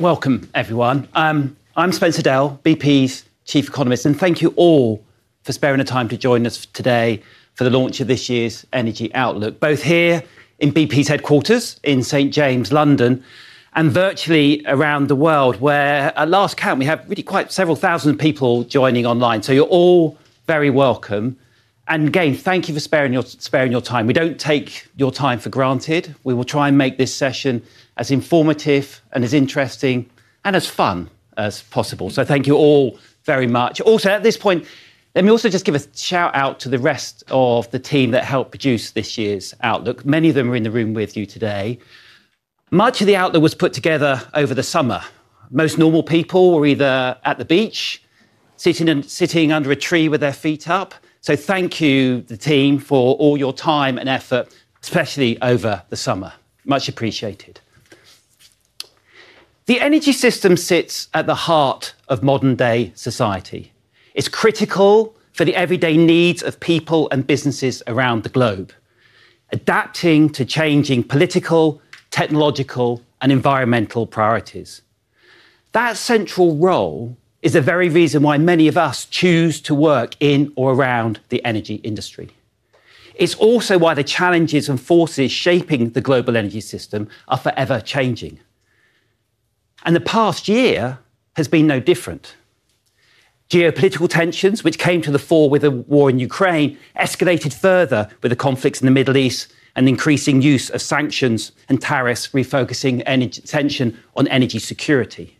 Welcome, everyone. I'm Spencer Dale, BP's Chief Economist, and thank you all for sparing the time to join us today for the launch of this year's Energy Outlook, both here in BP's headquarters in St. James's, London, and virtually around the world, where at last count we had really quite several thousand people joining online. You're all very welcome. Thank you for sparing your time. We don't take your time for granted. We will try and make this session as informative and as interesting and as fun as possible. Thank you all very much. At this point, let me also just give a shout-out to the rest of the team that helped produce this year's Outlook. Many of them are in the room with you today. Much of the Outlook was put together over the summer. Most normal people were either at the beach, sitting under a tree with their feet up. Thank you, the team, for all your time and effort, especially over the summer. Much appreciated. The energy system sits at the heart of modern-day society. It's critical for the everyday needs of people and businesses around the globe, adapting to changing political, technological, and environmental priorities. That central role is the very reason why many of us choose to work in or around the energy industry. It's also why the challenges and forces shaping the global energy system are forever changing. The past year has been no different. Geopolitical tensions, which came to the fore with the war in Ukraine, escalated further with the conflicts in the Middle East and the increasing use of sanctions and tariffs, refocusing attention on energy security.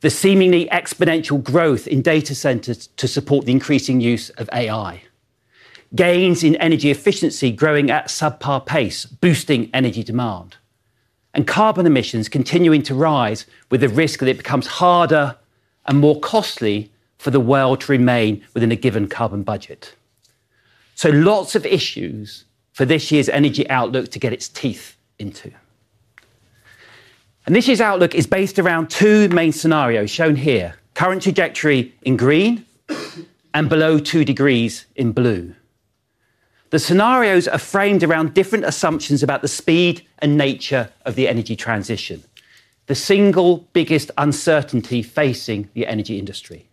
The seemingly exponential growth in data centers to support the increasing use of AI. Gains in energy efficiency growing at a subpar pace, boosting energy demand. Carbon emissions continuing to rise with the risk that it becomes harder and more costly for the world to remain within a given carbon budget. There are lots of issues for this year's Energy Outlook to get its teeth into. This year's Outlook is based around two main scenarios shown here, current trajectory in green and below two degrees in blue. The scenarios are framed around different assumptions about the speed and nature of the energy transition, the single biggest uncertainty facing the energy industry.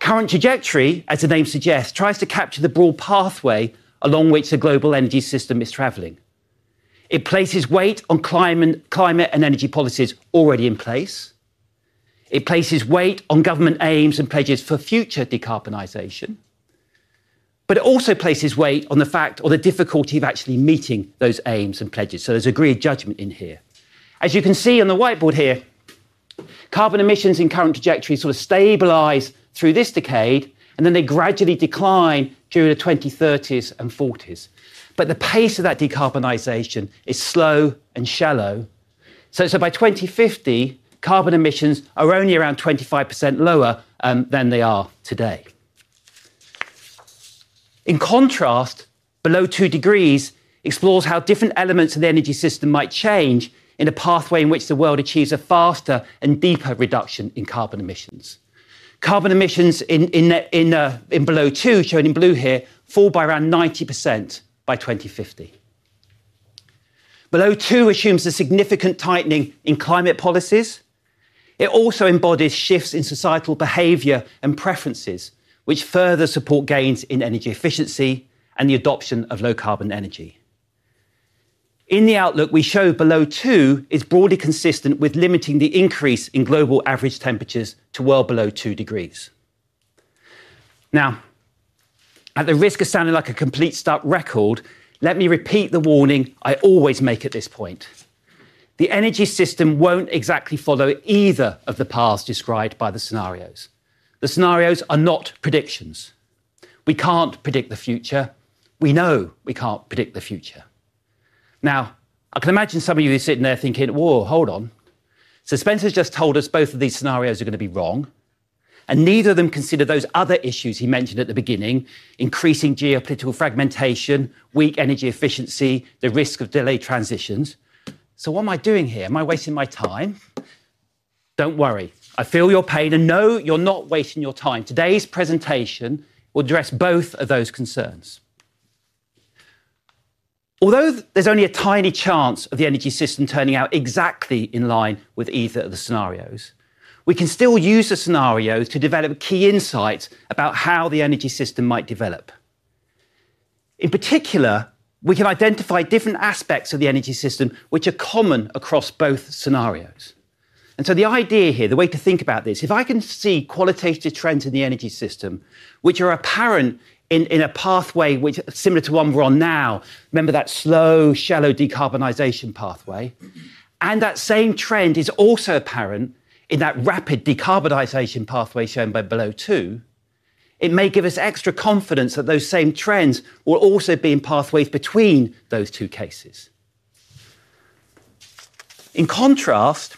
Current trajectory, as the name suggests, tries to capture the broad pathway along which the global energy system is traveling. It places weight on climate and energy policies already in place. It places weight on government aims and pledges for future decarbonization. It also places weight on the fact or the difficulty of actually meeting those aims and pledges. There is a grid of judgment in here. As you can see on the whiteboard here, carbon emissions in current trajectories sort of stabilize through this decade, and then they gradually decline during the 2030s and 2040s. The pace of that decarbonization is slow and shallow. By 2050, carbon emissions are only around 25% lower than they are today. In contrast, below two degrees explores how different elements of the energy system might change in a pathway in which the world achieves a faster and deeper reduction in carbon emissions. Carbon emissions in below two, shown in blue here, fall by around 90% by 2050. Below two assumes a significant tightening in climate policies. It also embodies shifts in societal behavior and preferences, which further support gains in energy efficiency and the adoption of low-carbon energy. In the Outlook, we show below two is broadly consistent with limiting the increase in global average temperatures to well below two degrees. At the risk of sounding like a complete stuck record, let me repeat the warning I always make at this point. The energy system will not exactly follow either of the paths described by the scenarios. The scenarios are not predictions. We cannot predict the future. We know we cannot predict the future. I can imagine some of you who are sitting there thinking, "Whoa, hold on. So Spencer's just told us both of these scenarios are going to be wrong." Neither of them consider those other issues he mentioned at the beginning, increasing geopolitical fragmentation, weak energy efficiency, the risk of delayed transitions. What am I doing here? Am I wasting my time? Don't worry. I feel your pain and know you're not wasting your time. Today's presentation will address both of those concerns. Although there is only a tiny chance of the energy system turning out exactly in line with either of the scenarios, we can still use the scenarios to develop key insights about how the energy system might develop. In particular, we can identify different aspects of the energy system which are common across both scenarios. The idea here, the way to think about this, if I can see qualitative trends in the energy system, which are apparent in a pathway which is similar to one we're on now, remember that slow, shallow decarbonization pathway, and that same trend is also apparent in that rapid decarbonization pathway shown by below two, it may give us extra confidence that those same trends will also be in pathways between those two cases. In contrast,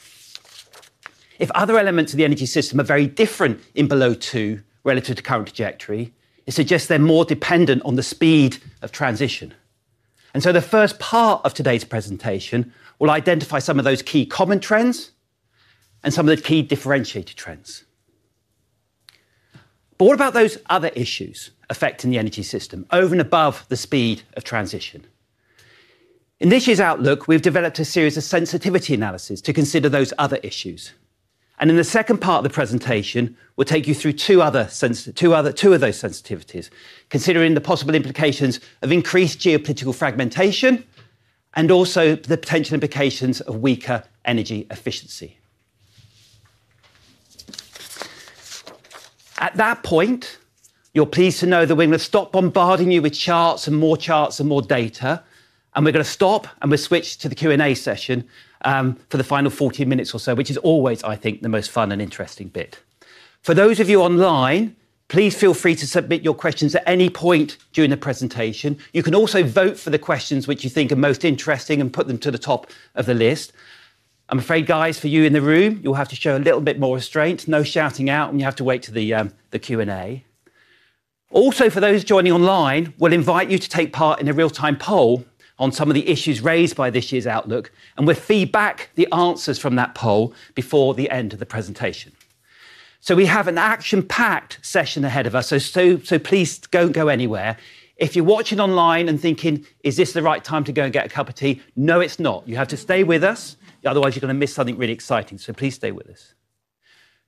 if other elements of the energy system are very different in below two relative to current trajectory, it suggests they're more dependent on the speed of transition. The first part of today's presentation will identify some of those key common trends and some of the key differentiated trends. What about those other issues affecting the energy system over and above the speed of transition? In this year's Outlook, we've developed a series of sensitivity analyses to consider those other issues. In the second part of the presentation, we'll take you through two of those sensitivities, considering the possible implications of increased geopolitical fragmentation and also the potential implications of weaker energy efficiency. At that point, you're pleased to know that we're going to stop bombarding you with charts and more charts and more data. We're going to stop and we'll switch to the Q&A session for the final 14 minutes or so, which is always, I think, the most fun and interesting bit. For those of you online, please feel free to submit your questions at any point during the presentation. You can also vote for the questions which you think are most interesting and put them to the top of the list. I'm afraid, guys, for you in the room, you'll have to show a little bit more restraint. No shouting out, and you have to wait for the Q&A. Also, for those joining online, we'll invite you to take part in a real-time poll on some of the issues raised by this year's Outlook, and we'll feedback the answers from that poll before the end of the presentation. We have an action-packed session ahead of us, so please don't go anywhere. If you're watching online and thinking, "Is this the right time to go and get a cup of tea?" No, it's not. You have to stay with us. Otherwise, you're going to miss something really exciting. Please stay with us.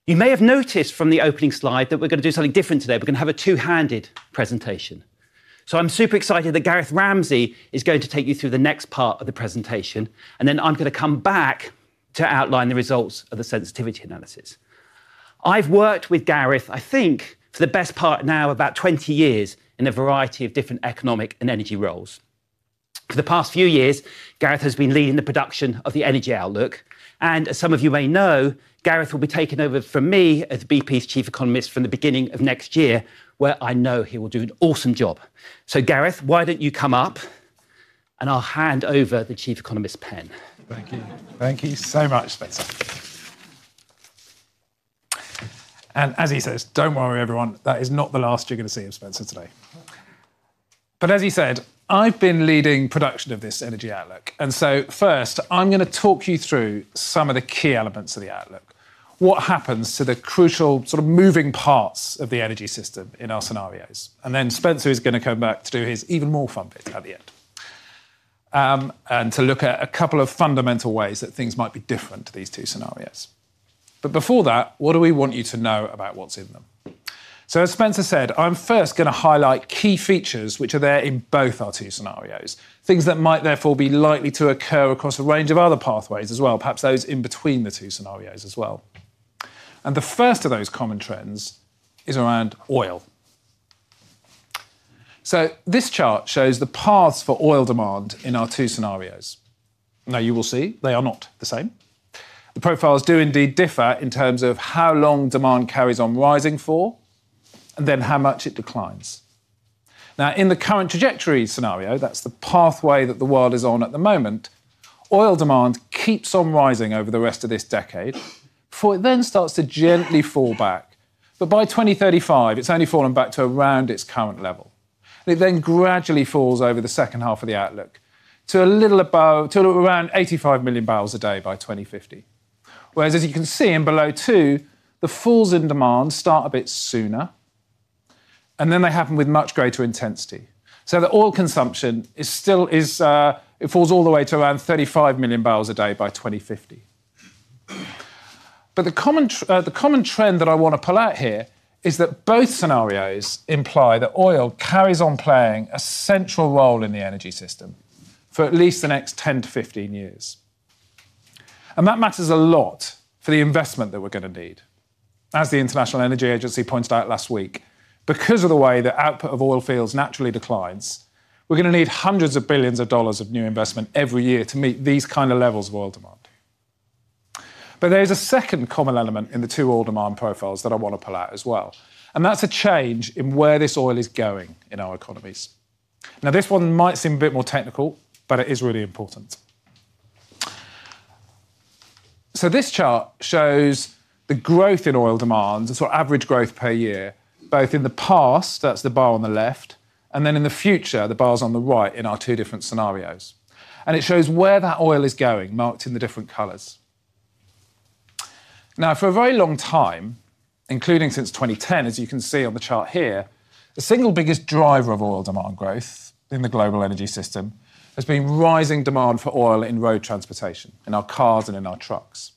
You may have noticed from the opening slide that we're going to do something different today. We're going to have a two-handed presentation. I'm super excited that Gareth Ramsay is going to take you through the next part of the presentation, and then I'm going to come back to outline the results of the sensitivity analysis. I've worked with Gareth, I think, for the best part now of about 20 years in a variety of different economic and energy roles. For the past few years, Gareth has been leading the production of the Energy Outlook. As some of you may know, Gareth will be taking over from me as BP's Chief Economist from the beginning of next year, where I know he will do an awesome job. Gareth, why don't you come up and I'll hand over the Chief Economist's pen. Thank you. Thank you so much, Spencer. As he says, don't worry, everyone, that is not the last you're going to see of Spencer today. As he said, I've been leading production of this Energy Outlook. First, I'm going to talk you through some of the key elements of the Outlook, what happens to the crucial sort of moving parts of the energy system in our scenarios. Spencer is going to come back to do his even more fun bit at the end and to look at a couple of fundamental ways that things might be different to these two scenarios. Before that, what do we want you to know about what's in them? As Spencer said, I'm first going to highlight key features which are there in both our two scenarios, things that might therefore be likely to occur across a range of other pathways as well, perhaps those in between the two scenarios as well. The first of those common trends is around oil. This chart shows the paths for oil demand in our two scenarios. You will see they are not the same. The profiles do indeed differ in terms of how long demand carries on rising for and then how much it declines. In the current trajectory scenario, that's the pathway that the world is on at the moment, oil demand keeps on rising over the rest of this decade before it then starts to gently fall back. By 2035, it's only fallen back to around its current level. It then gradually falls over the second half of the Outlook to a little above, to around 85 million bbl a day by 2050. Whereas, as you can see in below two, the falls in demand start a bit sooner, and then they happen with much greater intensity. The oil consumption still falls all the way to around 35 million bbl a day by 2050. The common trend that I want to pull out here is that both scenarios imply that oil carries on playing a central role in the energy system for at least the next 10-15 years. That matters a lot for the investment that we're going to need. As the International Energy Agency points out last week, because of the way the output of oil fields naturally declines, we're going to need hundreds of billions of dollars of new investment every year to meet these kinds of levels of oil demand. There is a second common element in the two oil demand profiles that I want to pull out as well. That's a change in where this oil is going in our economies. This one might seem a bit more technical, but it is really important. This chart shows the growth in oil demand, the sort of average growth per year, both in the past, that's the bar on the left, and then in the future, the bars on the right in our two different scenarios. It shows where that oil is going, marked in the different colors. For a very long time, including since 2010, as you can see on the chart here, the single biggest driver of oil demand growth in the global energy system has been rising demand for oil in road transportation, in our cars and in our trucks.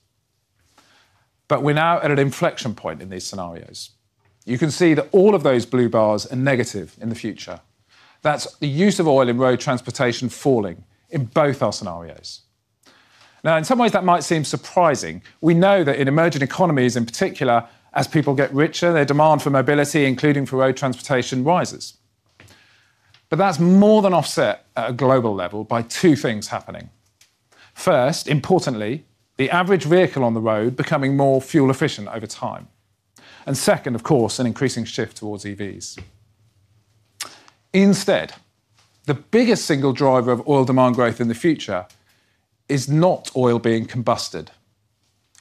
We're now at an inflection point in these scenarios. You can see that all of those blue bars are negative in the future. That's the use of oil in road transportation falling in both our scenarios. In some ways, that might seem surprising. We know that in emerging economies, in particular, as people get richer, their demand for mobility, including for road transportation, rises. That's more than offset at a global level by two things happening. First, importantly, the average vehicle on the road becoming more fuel efficient over time. Second, of course, an increasing shift towards EVs. Instead, the biggest single driver of oil demand growth in the future is not oil being combusted.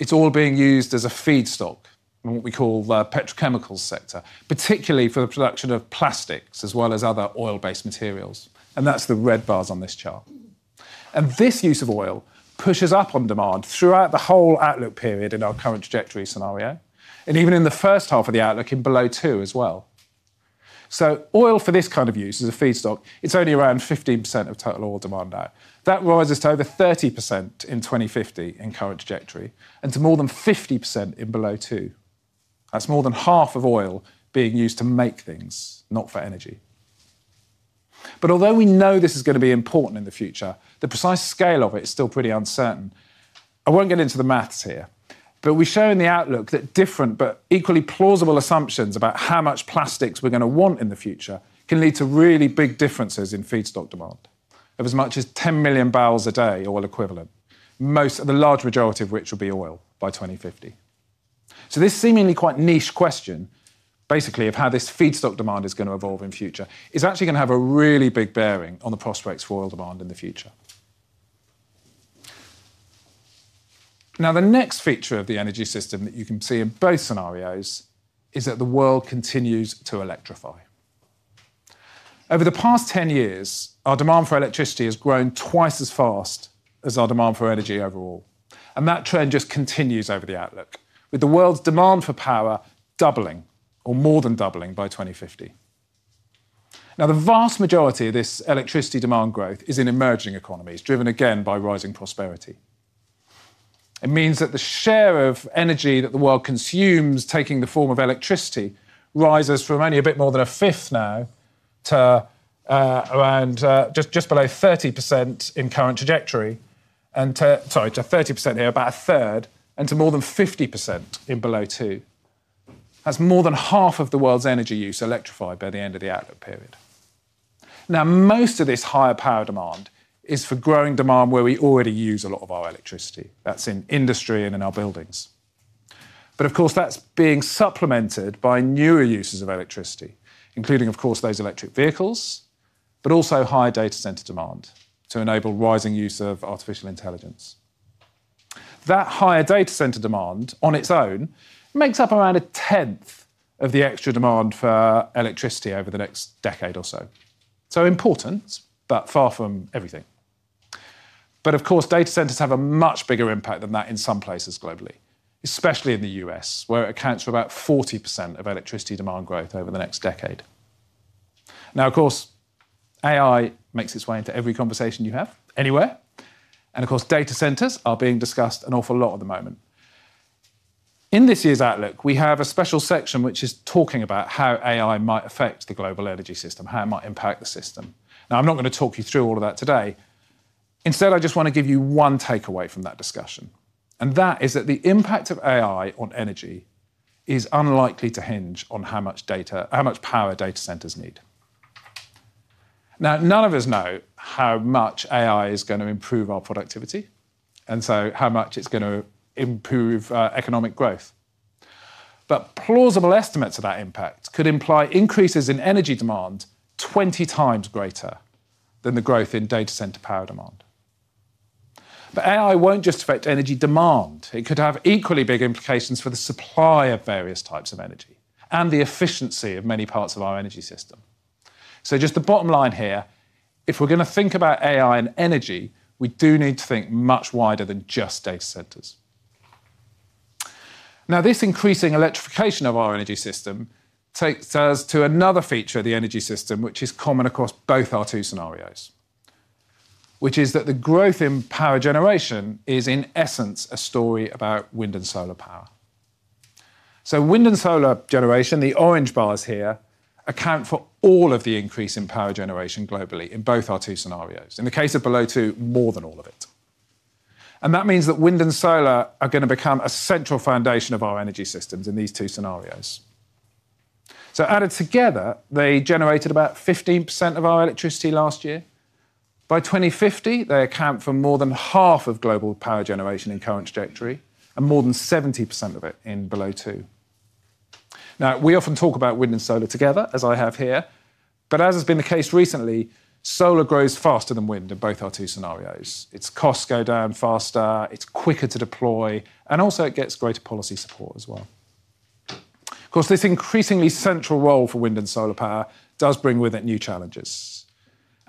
It's oil being used as a feedstock in what we call the petrochemical sector, particularly for the production of plastics as well as other oil-based materials. That's the red bars on this chart. This use of oil pushes up on demand throughout the whole Outlook period in our current trajectory scenario, and even in the first half of the Outlook in below two as well. Oil for this kind of use as a feedstock is only around 15% of total oil demand now. That rises to over 30% in 2050 in current trajectory and to more than 50% in below two. That's more than half of oil being used to make things, not for energy. Although we know this is going to be important in the future, the precise scale of it is still pretty uncertain. I won't get into the maths here, but we show in the Outlook that different but equally plausible assumptions about how much plastics we're going to want in the future can lead to really big differences in feedstock demand of as much as 10 million bbl a day oil equivalent, most of the large majority of which will be oil by 2050. This seemingly quite niche question, basically, of how this petrochemical feedstock demand is going to evolve in the future is actually going to have a really big bearing on the prospects for oil demand in the future. The next feature of the energy system that you can see in both scenarios is that the world continues to electrify. Over the past 10 years, our demand for electricity has grown twice as fast as our demand for energy overall. That trend just continues over the Outlook, with the world's demand for power doubling or more than doubling by 2050. The vast majority of this electricity demand growth is in emerging economies, driven again by rising prosperity. It means that the share of energy that the world consumes taking the form of electricity rises from only a bit more than a fifth now to around just below 30% in current trajectory, to 30% here, about a third, and to more than 50% in below two. That's more than half of the world's energy use electrified by the end of the Outlook period. Most of this higher power demand is for growing demand where we already use a lot of our electricity. That's in industry and in our buildings. Of course, that's being supplemented by newer uses of electricity, including, of course, those electric vehicles, but also higher data center demand to enable rising use of artificial intelligence. That higher data center demand on its own makes up around a tenth of the extra demand for electricity over the next decade or so. Important, but far from everything. Of course, data centers have a much bigger impact than that in some places globally, especially in the U.S., where it accounts for about 40% of electricity demand growth over the next decade. Of course, artificial intelligence makes its way into every conversation you have anywhere. Data centers are being discussed an awful lot at the moment. In this year's Outlook, we have a special section which is talking about how artificial intelligence might affect the global energy system, how it might impact the system. I'm not going to talk you through all of that today. Instead, I just want to give you one takeaway from that discussion. That is that the impact of artificial intelligence on energy is unlikely to hinge on how much power data centers need. None of us know how much AI is going to improve our productivity, and so how much it's going to improve economic growth. Plausible estimates of that impact could imply increases in energy demand 20x greater than the growth in data center power demand. AI won't just affect energy demand. It could have equally big implications for the supply of various types of energy and the efficiency of many parts of our energy system. The bottom line here is if we're going to think about AI and energy, we do need to think much wider than just data centers. This increasing electrification of our energy system takes us to another feature of the energy system, which is common across both our two scenarios, which is that the growth in power generation is, in essence, a story about wind and solar power. Wind and solar generation, the orange bars here, account for all of the increase in power generation globally in both our two scenarios. In the case of below two, more than all of it. That means wind and solar are going to become a central foundation of our energy systems in these two scenarios. Added together, they generated about 15% of our electricity last year. By 2050, they account for more than half of global power generation in current trajectory and more than 70% of it in below two. We often talk about wind and solar together, as I have here, but as has been the case recently, solar grows faster than wind in both our two scenarios. Its costs go down faster, it's quicker to deploy, and also it gets greater policy support as well. This increasingly central role for wind and solar power does bring with it new challenges.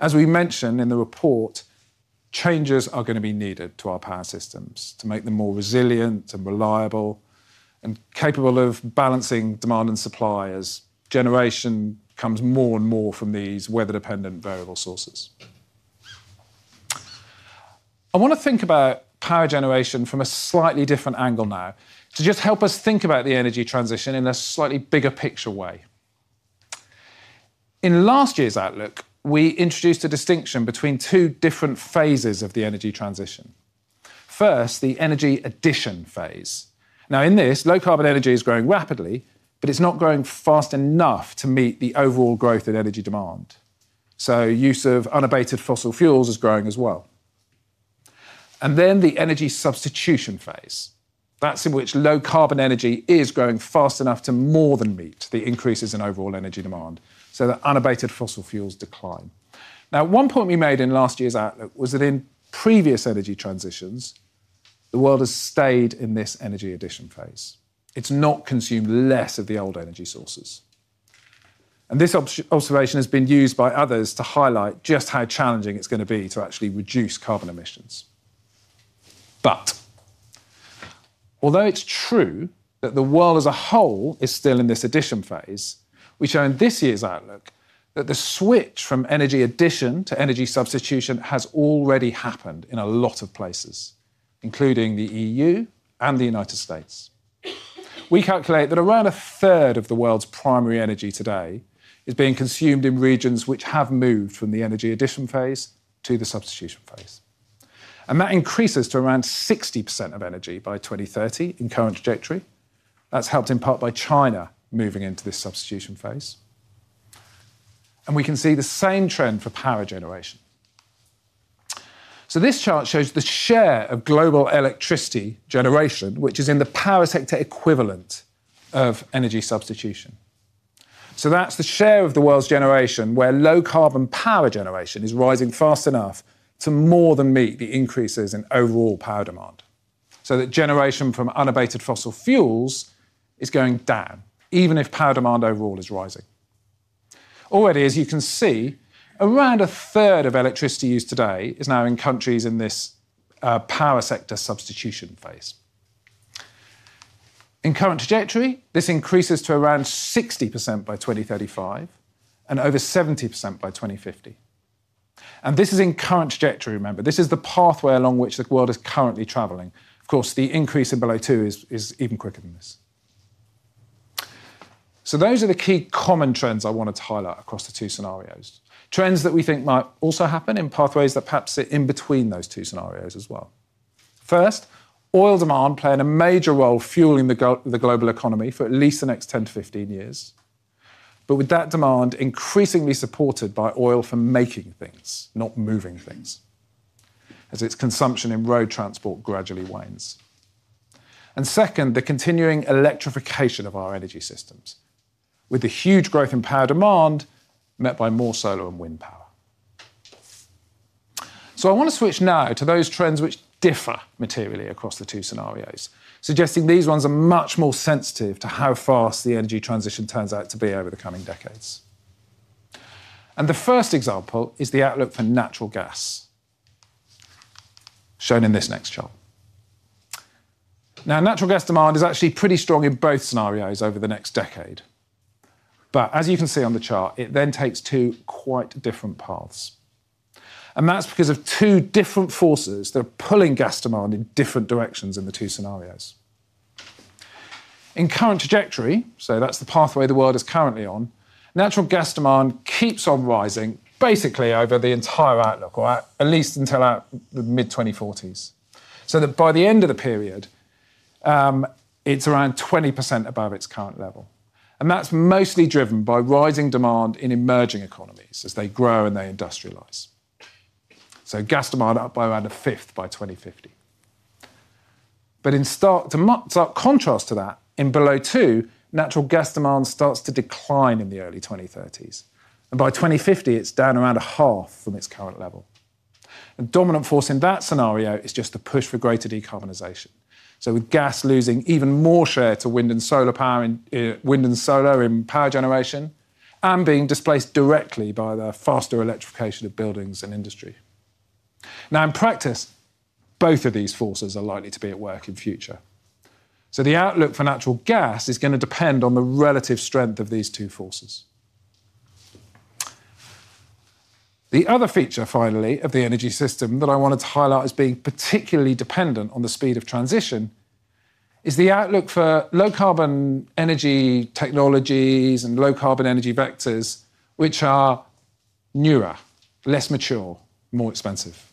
As we mentioned in the report, changes are going to be needed to our power systems to make them more resilient and reliable and capable of balancing demand and supply as generation comes more and more from these weather-dependent variable sources. I want to think about power generation from a slightly different angle now to help us think about the energy transition in a slightly bigger picture way. In last year's Outlook, we introduced a distinction between two different phases of the energy transition. First, the energy addition phase. In this, low-carbon energy is growing rapidly, but it's not growing fast enough to meet the overall growth in energy demand, so use of unabated fossil fuels is growing as well. Then the energy substitution phase, in which low-carbon energy is growing fast enough to more than meet the increases in overall energy demand so that unabated fossil fuels decline. Now, one point we made in last year's Outlook was that in previous energy transitions, the world has stayed in this energy addition phase. It's not consumed less of the old energy sources. This observation has been used by others to highlight just how challenging it's going to be to actually reduce carbon emissions. Although it's true that the world as a whole is still in this addition phase, we show in this year's Outlook that the switch from energy addition to energy substitution has already happened in a lot of places, including the EU and the United States. We calculate that around a third of the world's primary energy today is being consumed in regions which have moved from the energy addition phase to the substitution phase. That increases to around 60% of energy by 2030 in current trajectory. That's helped in part by China moving into this substitution phase. We can see the same trend for power generation. This chart shows the share of global electricity generation, which is in the power sector equivalent of energy substitution. That's the share of the world's generation where low-carbon power generation is rising fast enough to more than meet the increases in overall power demand, so that generation from unabated fossil fuels is going down, even if power demand overall is rising. Already, as you can see, around a third of electricity used today is now in countries in this power sector substitution phase. In current trajectory, this increases to around 60% by 2035 and over 70% by 2050. This is in current trajectory, remember. This is the pathway along which the world is currently traveling. Of course, the increase in below two is even quicker than this. Those are the key common trends I wanted to highlight across the two scenarios, trends that we think might also happen in pathways that perhaps sit in between those two scenarios as well. First, oil demand playing a major role fueling the global economy for at least the next 10-15 years, but with that demand increasingly supported by oil for making things, not moving things, as its consumption in road transport gradually wanes. Second, the continuing electrification of our energy systems, with the huge growth in power demand met by more solar and wind power. I want to switch now to those trends which differ materially across the two scenarios, suggesting these ones are much more sensitive to how fast the energy transition turns out to be over the coming decades. The first example is the outlook for natural gas, shown in this next chart. Now, natural gas demand is actually pretty strong in both scenarios over the next decade. As you can see on the chart, it then takes two quite different paths. That is because of two different forces that are pulling gas demand in different directions in the two scenarios. In current trajectory, so that's the pathway the world is currently on, natural gas demand keeps on rising basically over the entire outlook, or at least until the mid-2040s. By the end of the period, it's around 20% above its current level. That is mostly driven by rising demand in emerging economies as they grow and they industrialize. Gas demand is up by around a fifth by 2050. In contrast to that, in below two, natural gas demand starts to decline in the early 2030s. By 2050, it's down around a half from its current level. A dominant force in that scenario is just the push for greater decarbonization, with gas losing even more share to wind and solar power in power generation and being displaced directly by the faster electrification of buildings and industry. In practice, both of these forces are likely to be at work in the future. The outlook for natural gas is going to depend on the relative strength of these two forces. The other feature, finally, of the energy system that I wanted to highlight as being particularly dependent on the speed of transition is the outlook for low-carbon energy technologies and low-carbon energy vectors, which are newer, less mature, more expensive.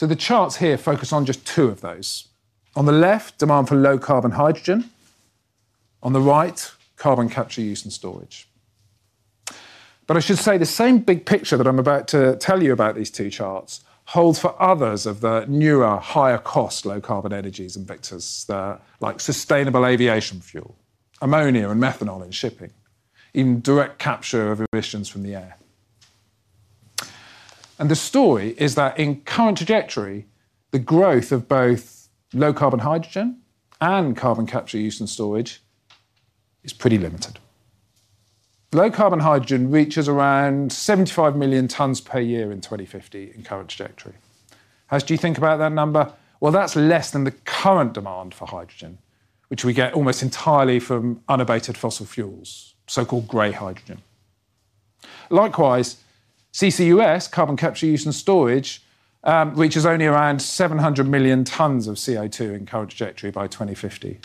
The charts here focus on just two of those. On the left, demand for low-carbon hydrogen. On the right, carbon capture, use and storage. I should say the same big picture that I'm about to tell you about these two charts holds for others of the newer, higher-cost low-carbon energies and vectors like sustainable aviation fuel, ammonia and methanol in shipping, even direct capture of emissions from the air. The story is that in current trajectory, the growth of both low-carbon hydrogen and carbon capture, use and storage is pretty limited. Low-carbon hydrogen reaches around 75 million tons per year in 2050 in current trajectory. How do you think about that number? That is less than the current demand for hydrogen, which we get almost entirely from unabated fossil fuels, so-called gray hydrogen. Likewise, carbon capture, use and storage reaches only around 700 million tons of CO2 in current trajectory by 2050.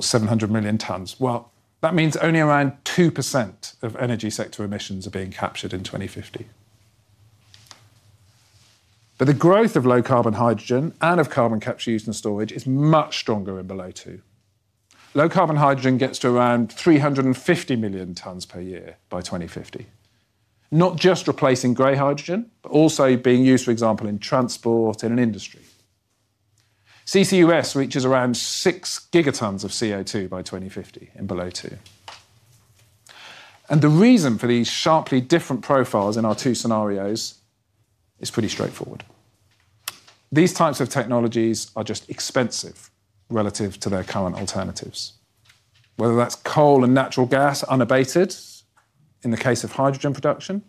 700 million tons means only around 2% of energy sector emissions are being captured in 2050. The growth of low-carbon hydrogen and of carbon capture, use and storage is much stronger in below two. Low-carbon hydrogen gets to around 350 million tons per year by 2050, not just replacing gray hydrogen, but also being used, for example, in transport and in industry. Carbon capture, use and storage reaches around 6 Gt of CO2 by 2050 in below two. The reason for these sharply different profiles in our two scenarios is pretty straightforward. These types of technologies are just expensive relative to their current alternatives, whether that's coal and natural gas unabated in the case of hydrogen production,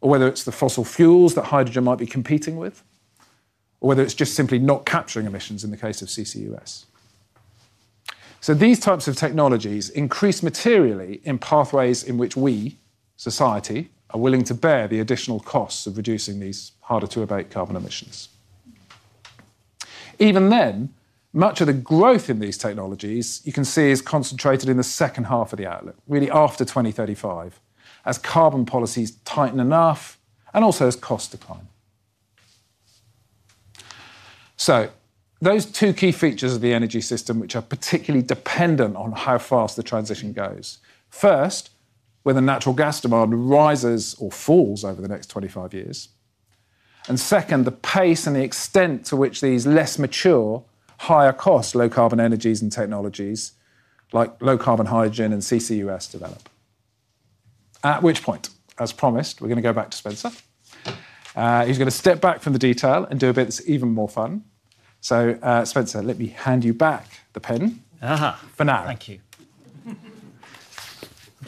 or whether it's the fossil fuels that hydrogen might be competing with, or whether it's just simply not capturing emissions in the case of carbon capture, use and storage. These types of technologies increase materially in pathways in which we, society, are willing to bear the additional costs of reducing these harder-to-abate carbon emissions. Even then, much of the growth in these technologies you can see is concentrated in the second half of the Outlook, really after 2035, as carbon policies tighten enough and also as costs decline. Those two key features of the energy system, which are particularly dependent on how fast the transition goes, are first, whether natural gas demand rises or falls over the next 25 years, and second, the pace and the extent to which these less mature, higher-cost low-carbon energies and technologies like low-carbon hydrogen and carbon capture, use and storage develop. At which point, as promised, we're going to go back to Spencer. He's going to step back from the detail and do a bit that's even more fun. Spencer, let me hand you back the pen. Aha! For now. Thank you. I'm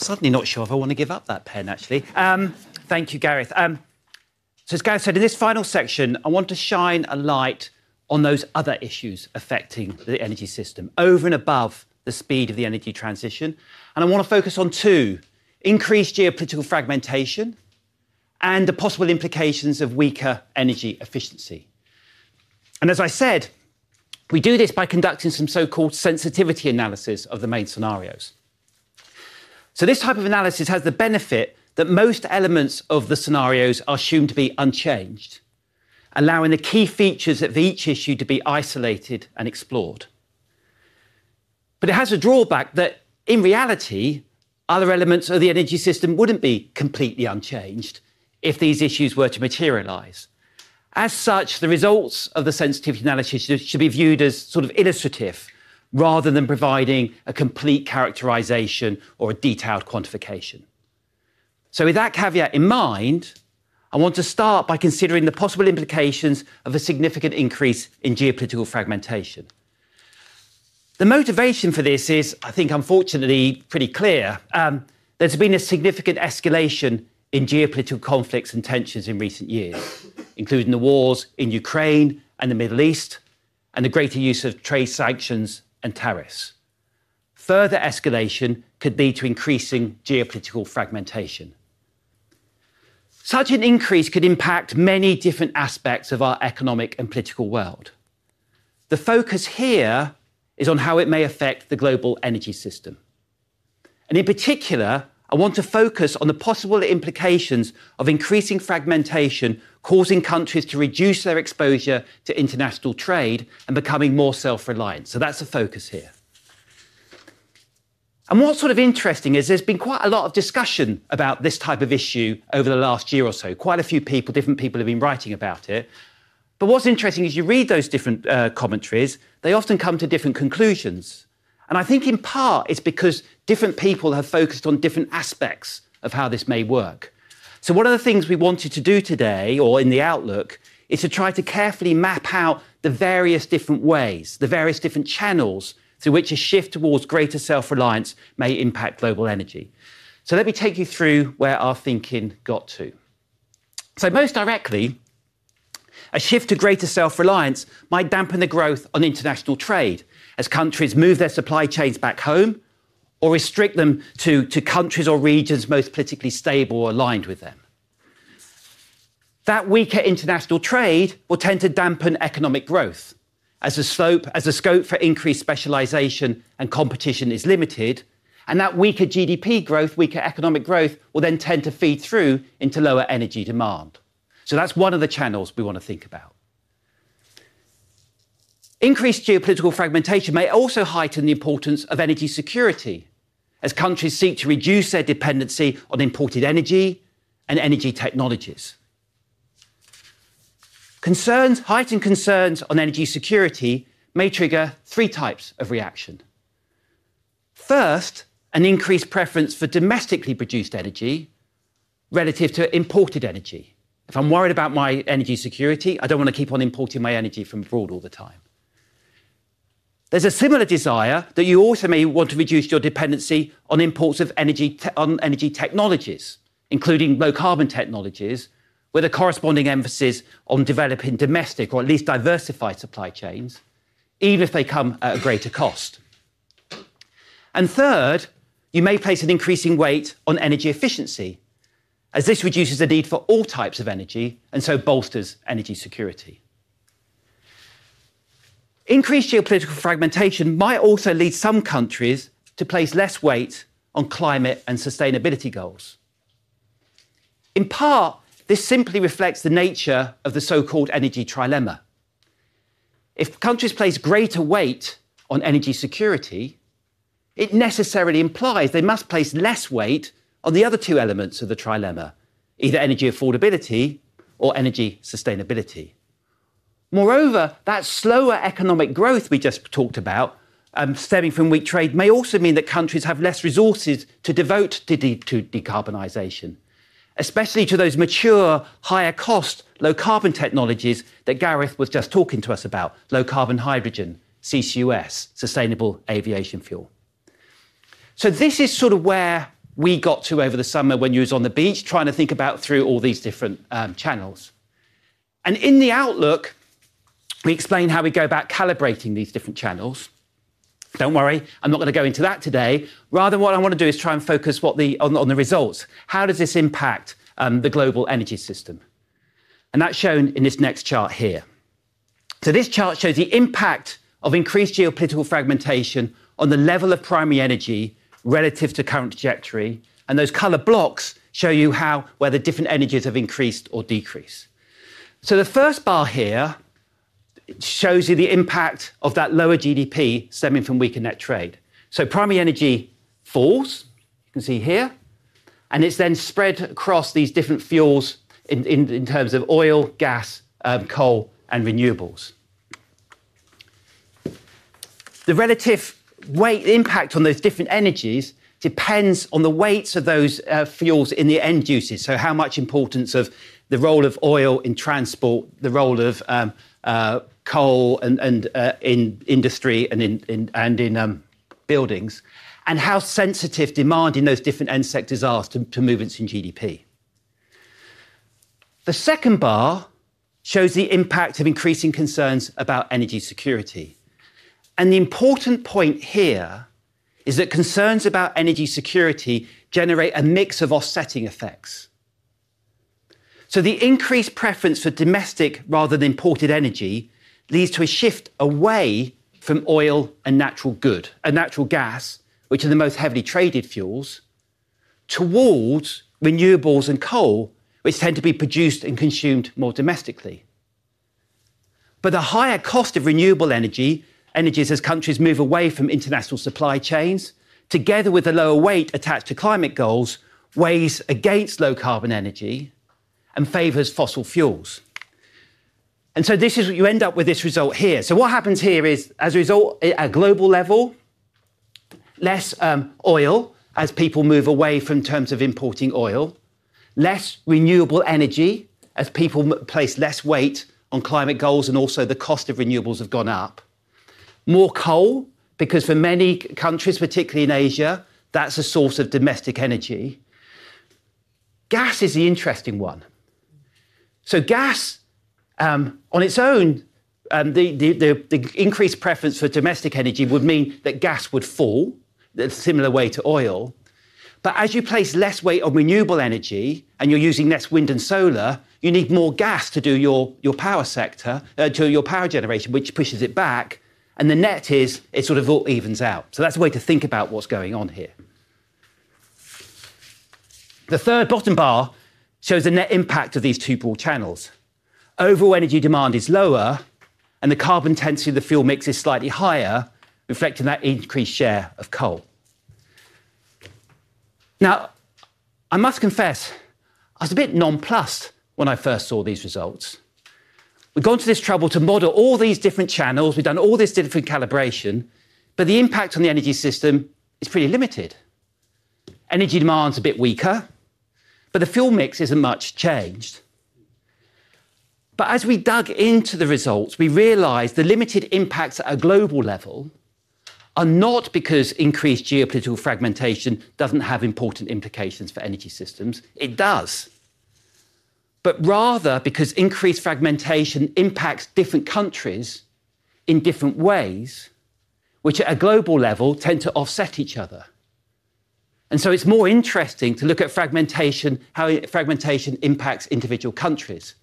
suddenly not sure if I want to give up that pen, actually. Thank you, Gareth. As Gareth said, in this final section, I want to shine a light on those other issues affecting the energy system over and above the speed of the energy transition. I want to focus on two, increased geopolitical fragmentation and the possible implications of weaker energy efficiency. As I said, we do this by conducting some so-called sensitivity analyses of the main scenarios. This type of analysis has the benefit that most elements of the scenarios are assumed to be unchanged, allowing the key features of each issue to be isolated and explored. It has a drawback that in reality, other elements of the energy system wouldn't be completely unchanged if these issues were to materialize. As such, the results of the sensitivity analysis should be viewed as sort of illustrative rather than providing a complete characterization or a detailed quantification. With that caveat in mind, I want to start by considering the possible implications of a significant increase in geopolitical fragmentation. The motivation for this is, I think, unfortunately, pretty clear. There's been a significant escalation in geopolitical conflicts and tensions in recent years, including the wars in Ukraine and the Middle East and the greater use of trade sanctions and tariffs. Further escalation could lead to increasing geopolitical fragmentation. Such an increase could impact many different aspects of our economic and political world. The focus here is on how it may affect the global energy system. In particular, I want to focus on the possible implications of increasing fragmentation causing countries to reduce their exposure to international trade and becoming more self-reliant. That's the focus here. What's sort of interesting is there's been quite a lot of discussion about this type of issue over the last year or so. Quite a few people, different people have been writing about it. What's interesting is you read those different commentaries, they often come to different conclusions. I think in part it's because different people have focused on different aspects of how this may work. One of the things we wanted to do today or in the Outlook is to try to carefully map out the various different ways, the various different channels through which a shift towards greater self-reliance may impact global energy. Let me take you through where our thinking got to. Most directly, a shift to greater self-reliance might dampen the growth on international trade as countries move their supply chains back home or restrict them to countries or regions most politically stable or aligned with them. That weaker international trade will tend to dampen economic growth as the scope for increased specialization and competition is limited. That weaker GDP growth, weaker economic growth will then tend to feed through into lower energy demand. That's one of the channels we want to think about. Increased geopolitical fragmentation may also heighten the importance of energy security as countries seek to reduce their dependency on imported energy and energy technologies. Heightened concerns on energy security may trigger three types of reaction. First, an increased preference for domestically produced energy relative to imported energy. If I'm worried about my energy security, I don't want to keep on importing my energy from abroad all the time. There's a similar desire that you also may want to reduce your dependency on imports of energy technologies, including low-carbon technologies, with a corresponding emphasis on developing domestic or at least diversified supply chains, even if they come at a greater cost. Third, you may place an increasing weight on energy efficiency as this reduces the need for all types of energy and so bolsters energy security. Increased geopolitical fragmentation might also lead some countries to place less weight on climate and sustainability goals. In part, this simply reflects the nature of the so-called energy trilemma. If countries place greater weight on energy security, it necessarily implies they must place less weight on the other two elements of the trilemma, either energy affordability or energy sustainability. Moreover, that slower economic growth we just talked about stemming from weak trade may also mean that countries have less resources to devote to decarbonization, especially to those mature, higher-cost, low-carbon technologies that Gareth was just talking to us about, low-carbon hydrogen, CCUS, sustainable aviation fuel. This is sort of where we got to over the summer when you were on the beach trying to think about through all these different channels. In the Outlook, we explain how we go about calibrating these different channels. Don't worry, I'm not going to go into that today. Rather, what I want to do is try and focus on the results. How does this impact the global energy system? That's shown in this next chart here. This chart shows the impact of increased geopolitical fragmentation on the level of primary energy relative to current trajectory. Those color blocks show you how different energies have increased or decreased. The first bar here shows you the impact of that lower GDP stemming from weaker net trade. Primary energy falls, you can see here, and it's then spread across these different fuels in terms of oil, gas, coal, and renewables. The relative weight impact on those different energies depends on the weights of those fuels in the end uses, such as the importance of the role of oil in transport, the role of coal in industry and in buildings, and how sensitive demand in those different end sectors are to movements in GDP. The second bar shows the impact of increasing concerns about energy security. The important point here is that concerns about energy security generate a mix of offsetting effects. The increased preference for domestic rather than imported energy leads to a shift away from oil and natural gas, which are the most heavily traded fuels, towards renewables and coal, which tend to be produced and consumed more domestically. The higher cost of renewable energies as countries move away from international supply chains, together with the lower weight attached to climate goals, weighs against low-carbon energy and favors fossil fuels. This is what you end up with in this result here. What happens here is, as a result, at a global level, less oil as people move away from importing oil, less renewable energy as people place less weight on climate goals, and also the cost of renewables has gone up. More coal, because for many countries, particularly in Asia, that's a source of domestic energy. Gas is the interesting one. Gas on its own, the increased preference for domestic energy would mean that gas would fall in a similar way to oil. As you place less weight on renewable energy and you're using less wind and solar, you need more gas to do your power sector, to your power generation, which pushes it back. The net is it sort of all evens out. That's a way to think about what's going on here. The third bottom bar shows the net impact of these two broad channels. Overall energy demand is lower, and the carbon density of the fuel mix is slightly higher, reflecting that increased share of coal. I must confess, I was a bit nonplussed when I first saw these results. We've gone to this trouble to model all these different channels. We've done all this different calibration, but the impact on the energy system is pretty limited. Energy demand is a bit weaker, but the fuel mix isn't much changed. As we dug into the results, we realized the limited impacts at a global level are not because increased geopolitical fragmentation doesn't have important implications for energy systems. It does. Rather, increased fragmentation impacts different countries in different ways, which at a global level tend to offset each other. It's more interesting to look at fragmentation, how fragmentation impacts individual countries.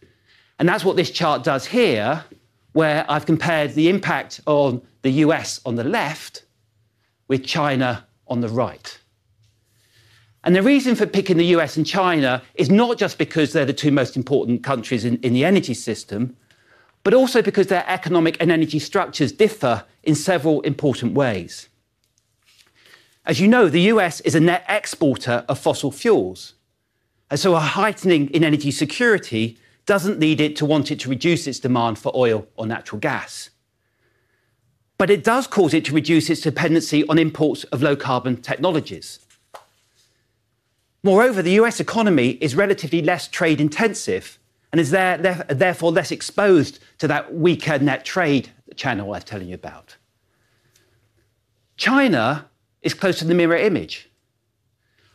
That's what this chart does here, where I've compared the impact on the U.S. on the left with China on the right. The reason for picking the U.S. and China is not just because they're the two most important countries in the energy system, but also because their economic and energy structures differ in several important ways. As you know, the U.S. is a net exporter of fossil fuels, and a heightening in energy security doesn't lead it to want to reduce its demand for oil or natural gas. It does cause it to reduce its dependency on imports of low-carbon technologies. Moreover, the U.S. economy is relatively less trade-intensive and is therefore less exposed to that weaker net trade channel I was telling you about. China is close to the mirror image.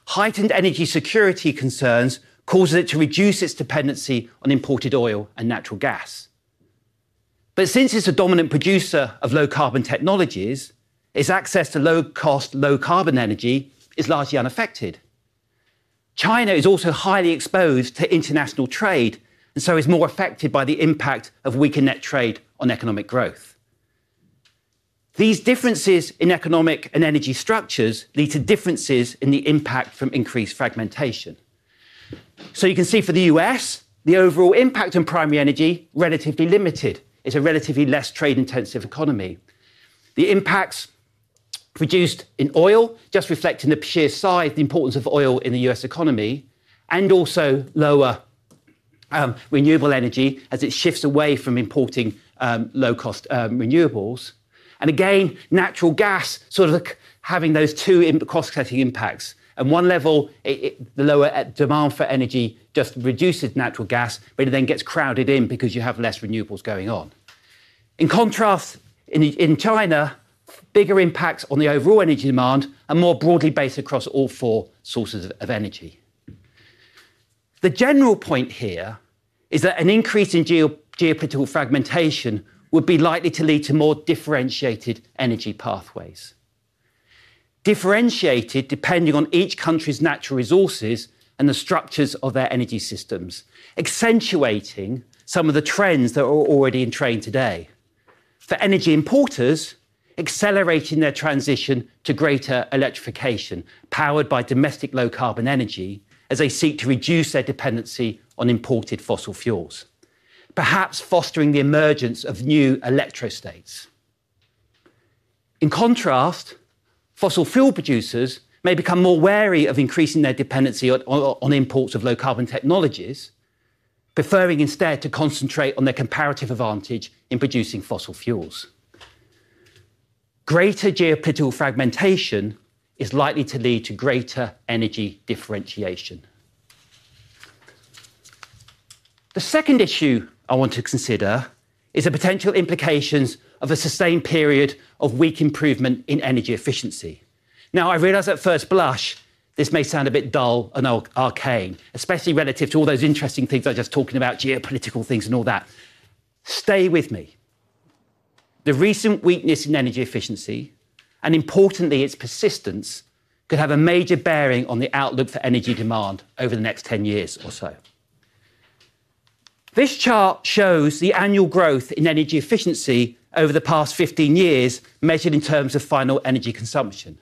Heightened energy security concerns cause it to reduce its dependency on imported oil and natural gas. Since it's a dominant producer of low-carbon technologies, its access to low-cost, low-carbon energy is largely unaffected. China is also highly exposed to international trade and is more affected by the impact of weaker net trade on economic growth. These differences in economic and energy structures lead to differences in the impact from increased fragmentation. You can see for the U.S., the overall impact on primary energy is relatively limited. It's a relatively less trade-intensive economy. The impacts produced in oil just reflect the sheer size, the importance of oil in the U.S. economy, and also lower renewable energy as it shifts away from importing low-cost renewables. Natural gas sort of has those two cost-cutting impacts. At one level, the lower demand for energy just reduces natural gas, but it then gets crowded in because you have less renewables going on. In contrast, in China, bigger impacts on the overall energy demand are more broadly based across all four sources of energy. The general point here is that an increase in geopolitical fragmentation would be likely to lead to more differentiated energy pathways, differentiated depending on each country's natural resources and the structures of their energy systems, accentuating some of the trends that are already in trend today. For energy importers, accelerating their transition to greater electrification powered by domestic low-carbon energy as they seek to reduce their dependency on imported fossil fuels, perhaps fostering the emergence of new electrostates. In contrast, fossil fuel producers may become more wary of increasing their dependency on imports of low-carbon technologies, preferring instead to concentrate on their comparative advantage in producing fossil fuels. Greater geopolitical fragmentation is likely to lead to greater energy differentiation. The second issue I want to consider is the potential implications of a sustained period of weak improvement in energy efficiency. I realize at first blush, this may sound a bit dull and arcane, especially relative to all those interesting things I was just talking about, geopolitical things and all that. Stay with me. The recent weakness in energy efficiency, and importantly, its persistence, could have a major bearing on the outlook for energy demand over the next 10 years or so. This chart shows the annual growth in energy efficiency over the past 15 years, measured in terms of final energy consumption.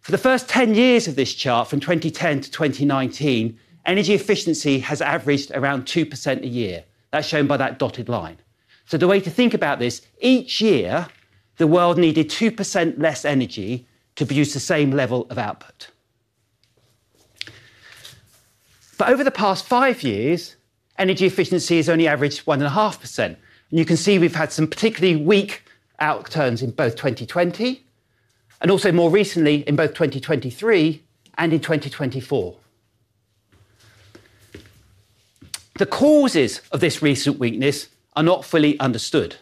For the first 10 years of this chart, from 2010-2019, energy efficiency has averaged around 2% a year. That's shown by that dotted line. The way to think about this, each year, the world needed 2% less energy to produce the same level of output. Over the past five years, energy efficiency has only averaged 1.5%. You can see we've had some particularly weak outlook turns in both 2020 and also more recently in both 2023 and in 2024. The causes of this recent weakness are not fully understood.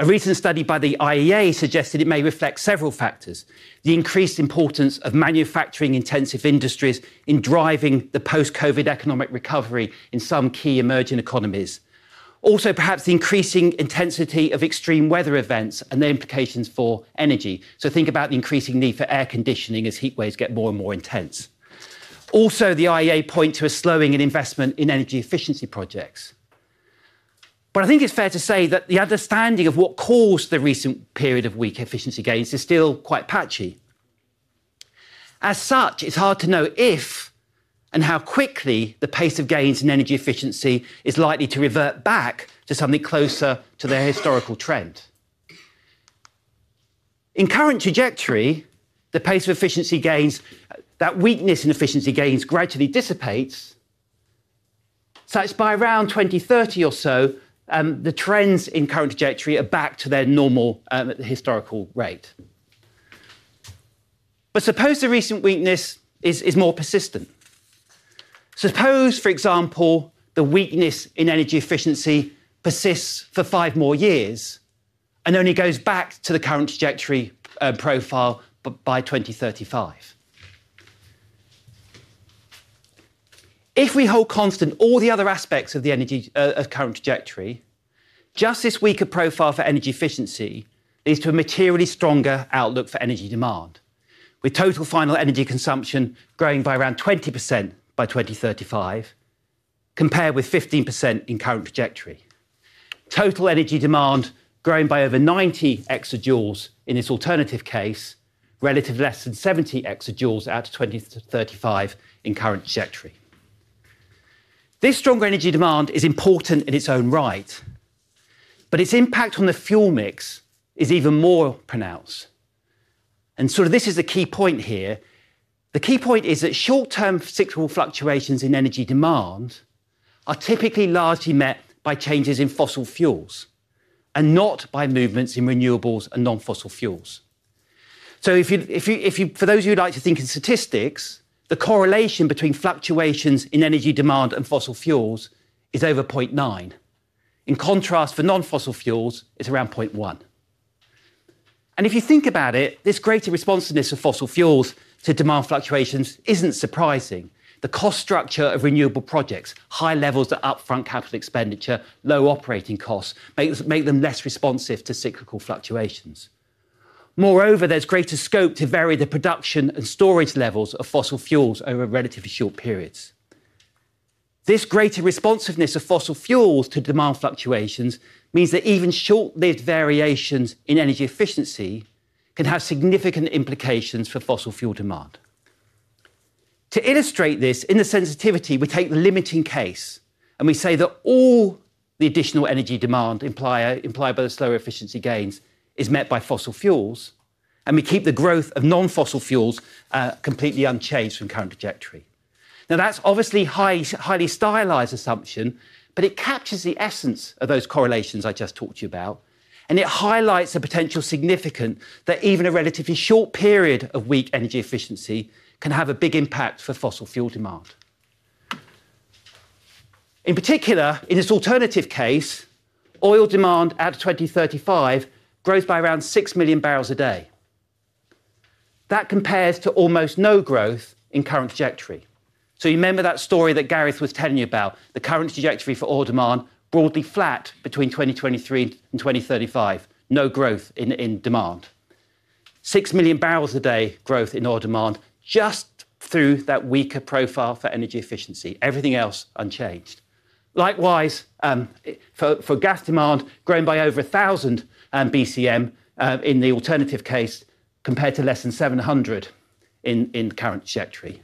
A recent study by the IEA suggested it may reflect several factors. The increased importance of manufacturing-intensive industries in driving the post-COVID economic recovery in some key emerging economies. Also, perhaps the increasing intensity of extreme weather events and their implications for energy. Think about the increasing need for air conditioning as heat waves get more and more intense. Also, the IEA points to a slowing in investment in energy efficiency projects. I think it's fair to say that the understanding of what caused the recent period of weak efficiency gains is still quite patchy. As such, it's hard to know if and how quickly the pace of gains in energy efficiency is likely to revert back to something closer to their historical trend. In current trajectory, the pace of efficiency gains, that weakness in efficiency gains gradually dissipates. By around 2030 or so, the trends in current trajectory are back to their normal historical rate. Suppose the recent weakness is more persistent. Suppose, for example, the weakness in energy efficiency persists for five more years and only goes back to the current trajectory profile by 2035. If we hold constant all the other aspects of the energy of current trajectory, just this weaker profile for energy efficiency leads to a materially stronger outlook for energy demand, with total final energy consumption growing by around 20% by 2035, compared with 15% in current trajectory. Total energy demand growing by over 90 EJ in this alternative case, relative to less than 70 EJ out of 2035 in current trajectory. This stronger energy demand is important in its own right, but its impact on the fuel mix is even more pronounced. This is the key point here. The key point is that short-term cyclical fluctuations in energy demand are typically largely met by changes in fossil fuels and not by movements in renewables and non-fossil fuels. For those of you who like to think in statistics, the correlation between fluctuations in energy demand and fossil fuels is over 0.9. In contrast, for non-fossil fuels, it's around 0.1. If you think about it, this greater responsiveness of fossil fuels to demand fluctuations isn't surprising. The cost structure of renewable projects, high levels of upfront capital expenditure, low operating costs, make them less responsive to cyclical fluctuations. Moreover, there's greater scope to vary the production and storage levels of fossil fuels over relatively short periods. This greater responsiveness of fossil fuels to demand fluctuations means that even short-lived variations in energy efficiency can have significant implications for fossil fuel demand. To illustrate this, in the sensitivity, we take the limiting case and we say that all the additional energy demand implied by the slower efficiency gains is met by fossil fuels, and we keep the growth of non-fossil fuels completely unchanged from current trajectory. Now, that's obviously a highly stylized assumption, but it captures the essence of those correlations I just talked to you about, and it highlights a potential significance that even a relatively short period of weak energy efficiency can have a big impact for fossil fuel demand. In particular, in this alternative case, oil demand at 2035 grows by around 6 million bbl a day. That compares to almost no growth in current trajectory. You remember that story that Gareth was telling you about, the current trajectory for oil demand, broadly flat between 2023 and 2035, no growth in demand. 6 million bbl a day growth in oil demand just through that weaker profile for energy efficiency. Everything else unchanged. Likewise, for gas demand growing by over 1,000 BCM in the alternative case compared to less than 700 in current trajectory.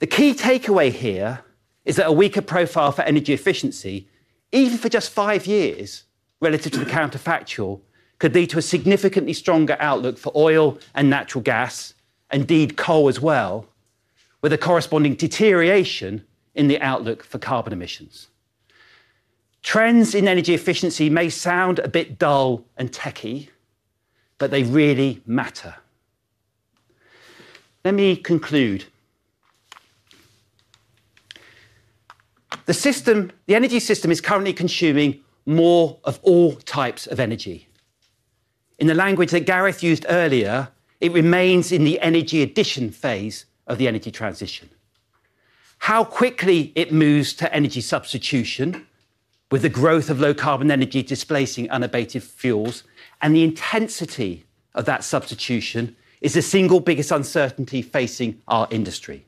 The key takeaway here is that a weaker profile for energy efficiency, even for just five years, relative to the counterfactual, could lead to a significantly stronger outlook for oil and natural gas, indeed coal as well, with a corresponding deterioration in the outlook for carbon emissions. Trends in energy efficiency may sound a bit dull and techy, but they really matter. Let me conclude. The energy system is currently consuming more of all types of energy. In the language that Gareth used earlier, it remains in the energy addition phase of the energy transition. How quickly it moves to energy substitution with the growth of low-carbon energy displacing unabated fuels and the intensity of that substitution is the single biggest uncertainty facing our industry.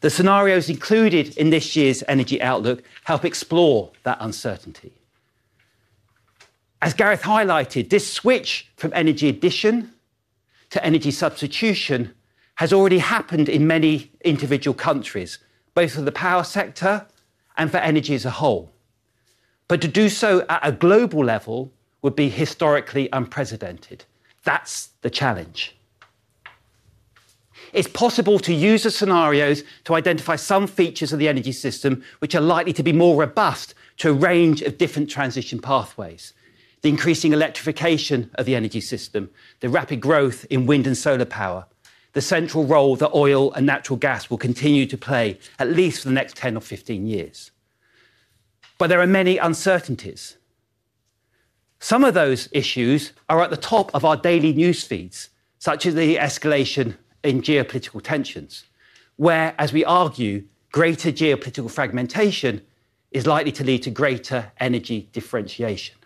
The scenarios included in this year's Energy Outlook help explore that uncertainty. As Gareth highlighted, this switch from energy addition to energy substitution has already happened in many individual countries, both for the power sector and for energy as a whole. To do so at a global level would be historically unprecedented. That's the challenge. It's possible to use the scenarios to identify some features of the energy system which are likely to be more robust to a range of different transition pathways. The increasing electrification of the energy system, the rapid growth in wind and solar power, the central role that oil and natural gas will continue to play at least for the next 10 or 15 years. There are many uncertainties. Some of those issues are at the top of our daily newsfeeds, such as the escalation in geopolitical tensions, where, as we argue, greater geopolitical fragmentation is likely to lead to greater energy differentiation.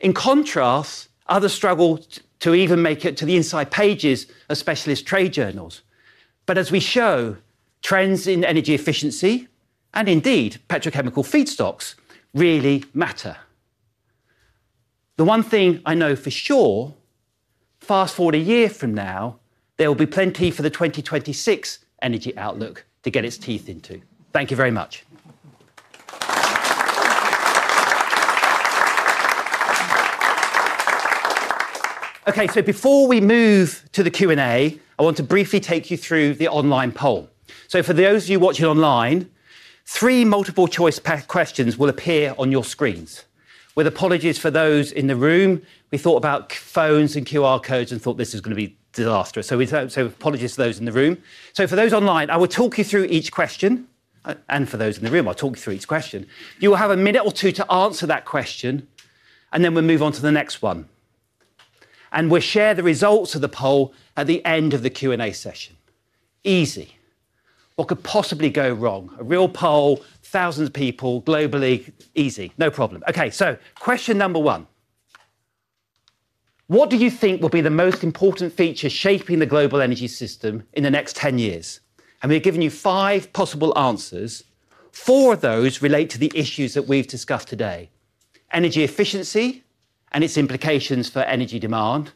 In contrast, others struggle to even make it to the inside pages of specialist trade journals. As we show, trends in energy efficiency and indeed petrochemical feedstocks really matter. The one thing I know for sure, fast forward a year from now, there will be plenty for the 2026 Energy Outlook to get its teeth into. Thank you very much. Okay, before we move to the Q&A, I want to briefly take you through the online poll. For those of you watching online, three multiple-choice questions will appear on your screens. With apologies for those in the room, we thought about phones and QR codes and thought this is going to be disastrous. Apologies to those in the room. For those online, I will talk you through each question, and for those in the room, I'll talk you through each question. You will have a minute or two to answer that question, and then we'll move on to the next one. We'll share the results of the poll at the end of the Q&A session. Easy. What could possibly go wrong? A real poll, thousands of people globally, easy. No problem. Okay, question number one. What do you think will be the most important feature shaping the global energy system in the next 10 years? We've given you five possible answers. Four of those relate to the issues that we've discussed today: energy efficiency and its implications for energy demand,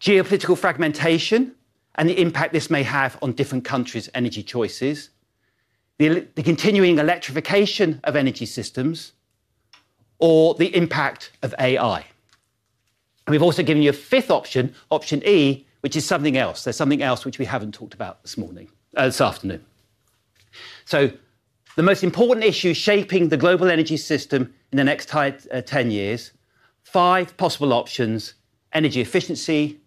geopolitical fragmentation and the impact this may have on different countries' energy choices, the continuing electrification of energy systems, or the impact of AI. We've also given you a fifth option, option E, which is something else. There's something else which we haven't talked about this morning, this afternoon. The most important issue is shaping the global energy system in the next 10 years. Five possible options: energy efficiency,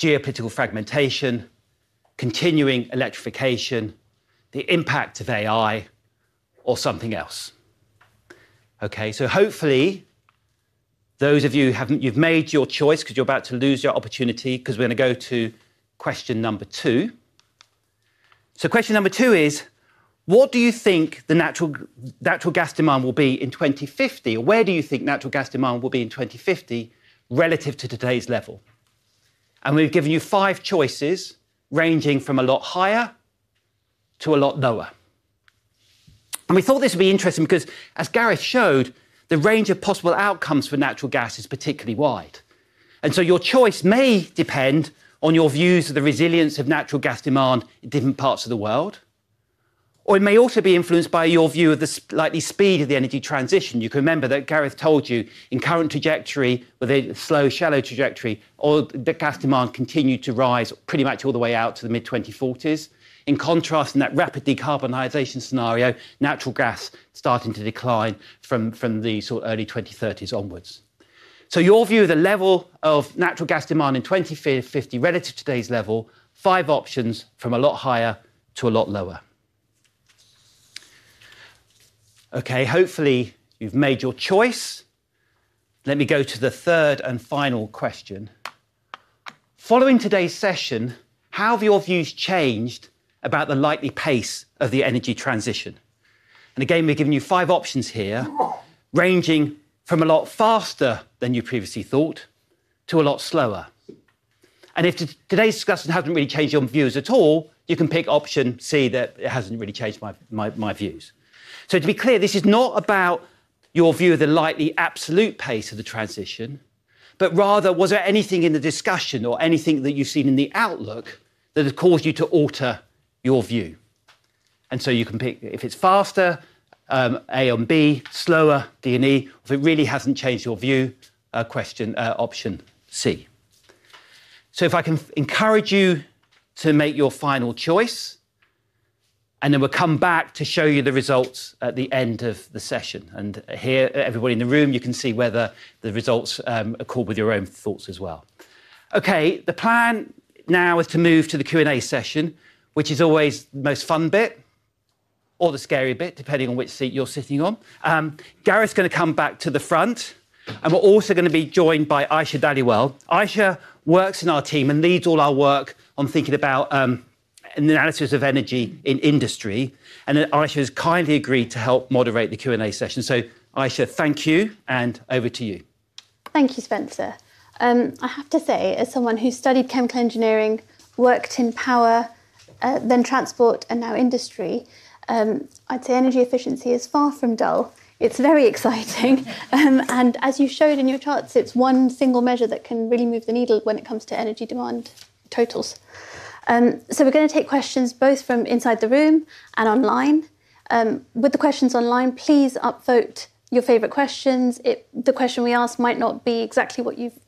geopolitical fragmentation, continuing electrification, the impact of AI, or something else. Okay, so hopefully, those of you who haven't, you've made your choice because you're about to lose your opportunity because we're going to go to question number two. Question number two is, what do you think the natural gas demand will be in 2050? Or where do you think natural gas demand will be in 2050 relative to today's level? We've given you five choices ranging from a lot higher to a lot lower. We thought this would be interesting because, as Gareth showed, the range of possible outcomes for natural gas is particularly wide. Your choice may depend on your views of the resilience of natural gas demand in different parts of the world, or it may also be influenced by your view of the slightly speed of the energy transition. You can remember that Gareth told you in current trajectory, with a slow, shallow trajectory, the gas demand continued to rise pretty much all the way out to the mid-2040s. In contrast, in that rapid decarbonization scenario, natural gas starting to decline from the sort of early 2030s onwards. Your view of the level of natural gas demand in 2050 relative to today's level, five options from a lot higher to a lot lower. Okay, hopefully you've made your choice. Let me go to the third and final question. Following today's session, how have your views changed about the likely pace of the energy transition? We've given you five options here, ranging from a lot faster than you previously thought to a lot slower. If today's discussion hasn't really changed your views at all, you can pick option C that it hasn't really changed my views. To be clear, this is not about your view of the likely absolute pace of the transition, but rather, was there anything in the discussion or anything that you've seen in the Outlook that has caused you to alter your view? You can pick if it's faster, A and B, slower, D and E, or if it really hasn't changed your view, option C. If I can encourage you to make your final choice, then we'll come back to show you the results at the end of the session. Here, everybody in the room, you can see whether the results are called with your own thoughts as well. Okay, the plan now is to move to the Q&A session, which is always the most fun bit, or the scary bit, depending on which seat you're sitting on. Gareth's going to come back to the front, and we're also going to be joined by Aisha Dhaliwal. Aisha works in our team and leads all our work on thinking about the analysis of energy in industry. Aisha has kindly agreed to help moderate the Q&A session. Aisha, thank you, and over to you. Thank you, Spencer. I have to say, as someone who studied chemical engineering, worked in power, then transport, and now industry, I'd say energy efficiency is far from dull. It's very exciting. As you showed in your charts, it's one single measure that can really move the needle when it comes to energy demand totals. We're going to take questions both from inside the room and online. With the questions online, please upvote your favorite questions. The question we ask might not be exactly what you've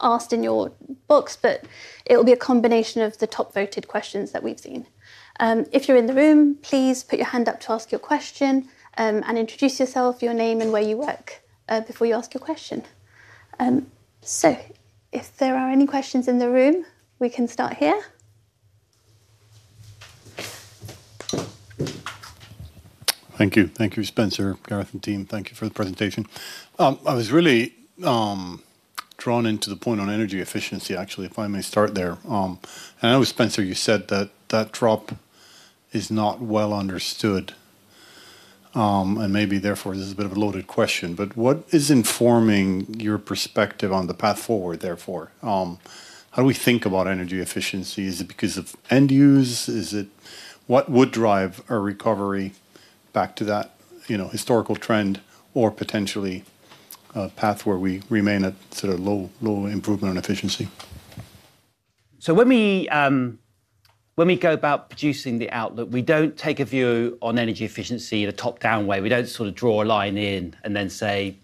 asked in your books, but it will be a combination of the top voted questions that we've seen. If you're in the room, please put your hand up to ask your question and introduce yourself, your name, and where you work before you ask your question. If there are any questions in the room, we can start here. Thank you. Thank you, Spencer, Gareth, and team. Thank you for the presentation. I was really drawn into the point on energy efficiency, actually, if I may start there. I know, Spencer, you said that that drop is not well understood, and maybe therefore this is a bit of a loaded question. What is informing your perspective on the path forward, therefore? How do we think about energy efficiency? Is it because of end use? Is it what would drive a recovery back to that historical trend or potentially a path where we remain at sort of low improvement on efficiency? When we go about producing the Outlook, we don't take a view on energy efficiency in a top-down way. We don't sort of draw a line in and then say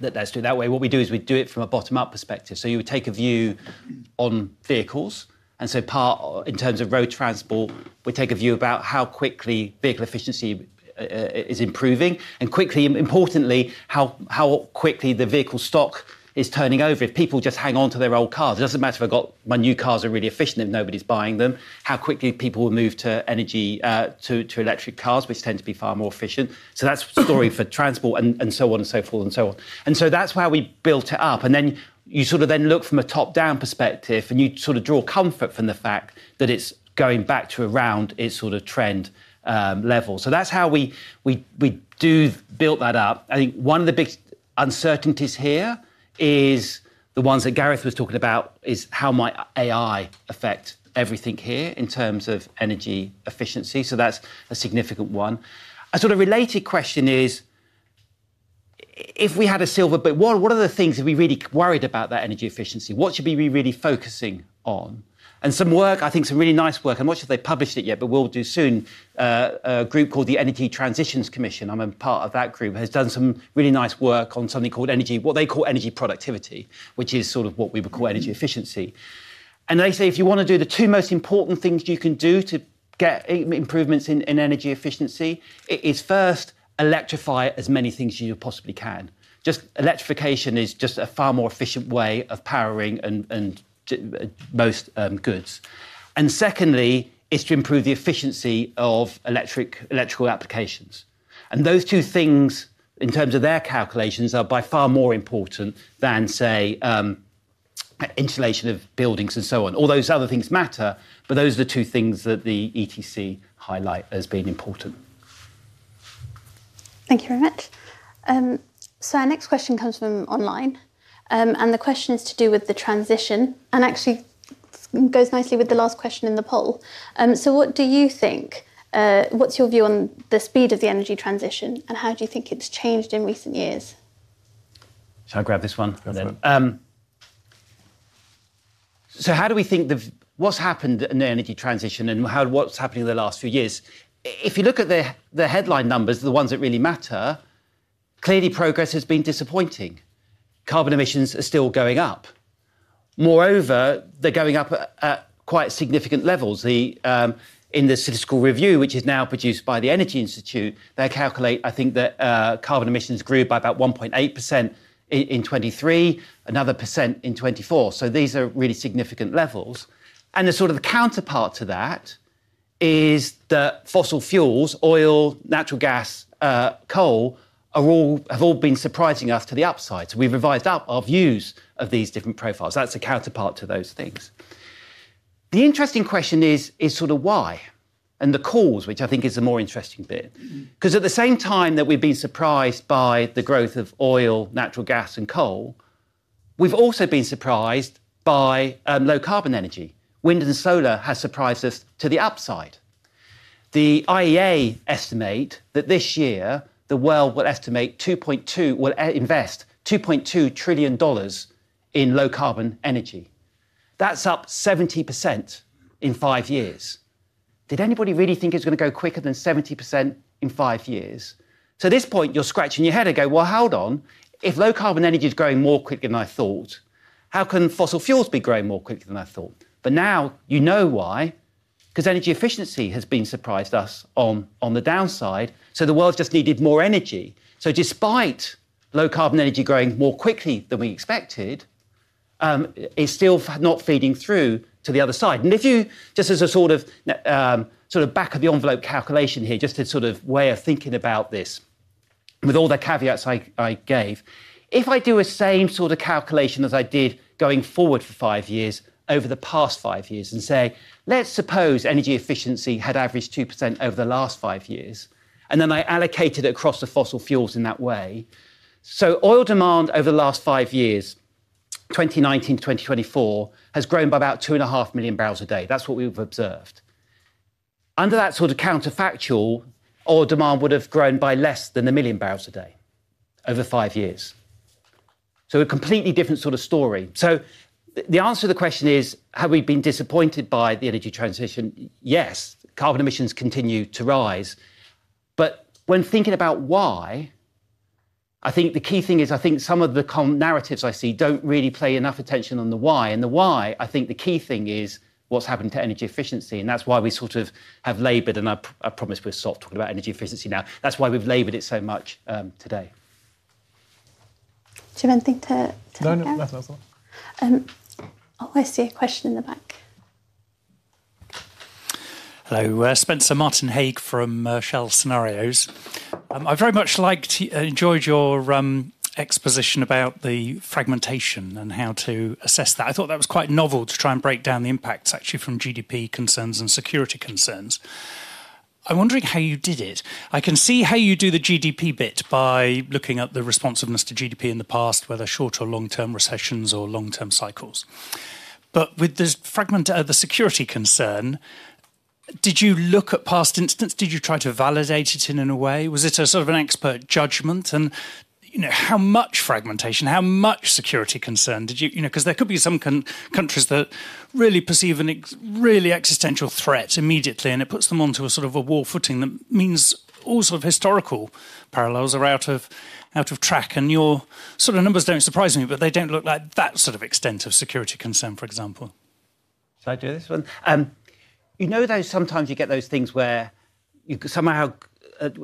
that let's do it that way. What we do is we do it from a bottom-up perspective. You would take a view on vehicles. In terms of road transport, we take a view about how quickly vehicle efficiency is improving and, importantly, how quickly the vehicle stock is turning over. If people just hang on to their old cars, it doesn't matter if I got my new cars are really efficient if nobody's buying them. How quickly people will move to energy, to electric cars, which tend to be far more efficient. That's a story for transport and so on and so forth. That's how we built it up. Then you look from a top-down perspective and draw comfort from the fact that it's going back to around its trend level. That's how we do build that up. I think one of the big uncertainties here is the ones that Gareth was talking about, is how might AI affect everything here in terms of energy efficiency. That's a significant one. A related question is, if we had a silver bit, what are the things that we really worried about that energy efficiency? What should we be really focusing on? Some work, I think some really nice work, I'm not sure if they published it yet, but will do soon, a group called the Energy Transitions Commission. I'm a part of that group, has done some really nice work on something called energy, what they call energy productivity, which is what we would call energy efficiency. They say if you want to do the two most important things you can do to get improvements in energy efficiency, it is first electrify as many things as you possibly can. Electrification is just a far more efficient way of powering most goods. Secondly, it's to improve the efficiency of electrical applications. Those two things, in terms of their calculations, are by far more important than, say, installation of buildings and so on. All those other things matter, but those are the two things that the ETC highlight as being important. Thank you very much. Our next question comes from online. The question is to do with the transition and actually goes nicely with the last question in the poll. What do you think, what's your view on the speed of the energy transition and how do you think it's changed in recent years? Shall I grab this one? Go for it. How do we think what's happened in the energy transition and what's happened in the last few years? If you look at the headline numbers, the ones that really matter, clearly progress has been disappointing. Carbon emissions are still going up. Moreover, they're going up at quite significant levels. In the Statistical Review, which is now produced by the Energy Institute, they calculate, I think, that carbon emissions grew by about 1.8% in 2023, another percent in 2024. These are really significant levels. The counterpart to that is that fossil fuels, oil, natural gas, coal, have all been surprising us to the upside. We've revised our views of these different profiles. That's a counterpart to those things. The interesting question is why and the cause, which I think is the more interesting bit. Because at the same time that we've been surprised by the growth of oil, natural gas, and coal, we've also been surprised by low-carbon energy. Wind and solar has surprised us to the upside. The IEA estimates that this year the world will invest $2.2 trillion in low-carbon energy. That's up 70% in five years. Did anybody really think it was going to go quicker than 70% in five years? At this point, you're scratching your head and going, hold on. If low-carbon energy is growing more quickly than I thought, how can fossil fuels be growing more quickly than I thought? Now you know why, because energy efficiency has surprised us on the downside. The world just needed more energy. Despite low-carbon energy growing more quickly than we expected, it's still not feeding through to the other side. Just as a sort of back of the envelope calculation here, just to weigh us thinking about this, with all the caveats I gave, if I do a same sort of calculation as I did going forward for five years over the past five years and say, let's suppose energy efficiency had averaged 2% over the last five years, and then I allocated it across the fossil fuels in that way. Oil demand over the last five years, 2019-2024, has grown by about 2.5 million bbl a day. That's what we've observed. Under that sort of counterfactual, oil demand would have grown by less than 1 million bbl a day over five years. A completely different sort of story. The answer to the question is, have we been disappointed by the energy transition? Yes, carbon emissions continue to rise. When thinking about why, I think the key thing is, I think some of the narratives I see don't really pay enough attention to the why. The key thing is what's happened to energy efficiency. That's why we have labored, and I promise we're talking about energy efficiency now, that's why we've labored it so much today. Decisions as we navigate the energy transition. No, that's all. Oh, I see a question in the back. Hello, Spencer, Martin Haigh from Shell Scenarios. I very much liked and enjoyed your exposition about the fragmentation and how to assess that. I thought that was quite novel to try and break down the impacts actually from GDP concerns and security concerns. I'm wondering how you did it. I can see how you do the GDP bit by looking at the responsiveness to GDP in the past, whether short or long-term recessions or long-term cycles. With the security concern, did you look at past instance? Did you try to validate it in a way? Was it a sort of an expert judgment? You know how much fragmentation, how much security concern did you you know because there could be some countries that really perceive a really existential threat immediately, and it puts them onto a sort of a war footing that means all sort of historical parallels are out of track. Your sort of numbers don't surprise me, but they don't look like that sort of extent of security concern, for example. Shall I do this one? You know sometimes you get those things where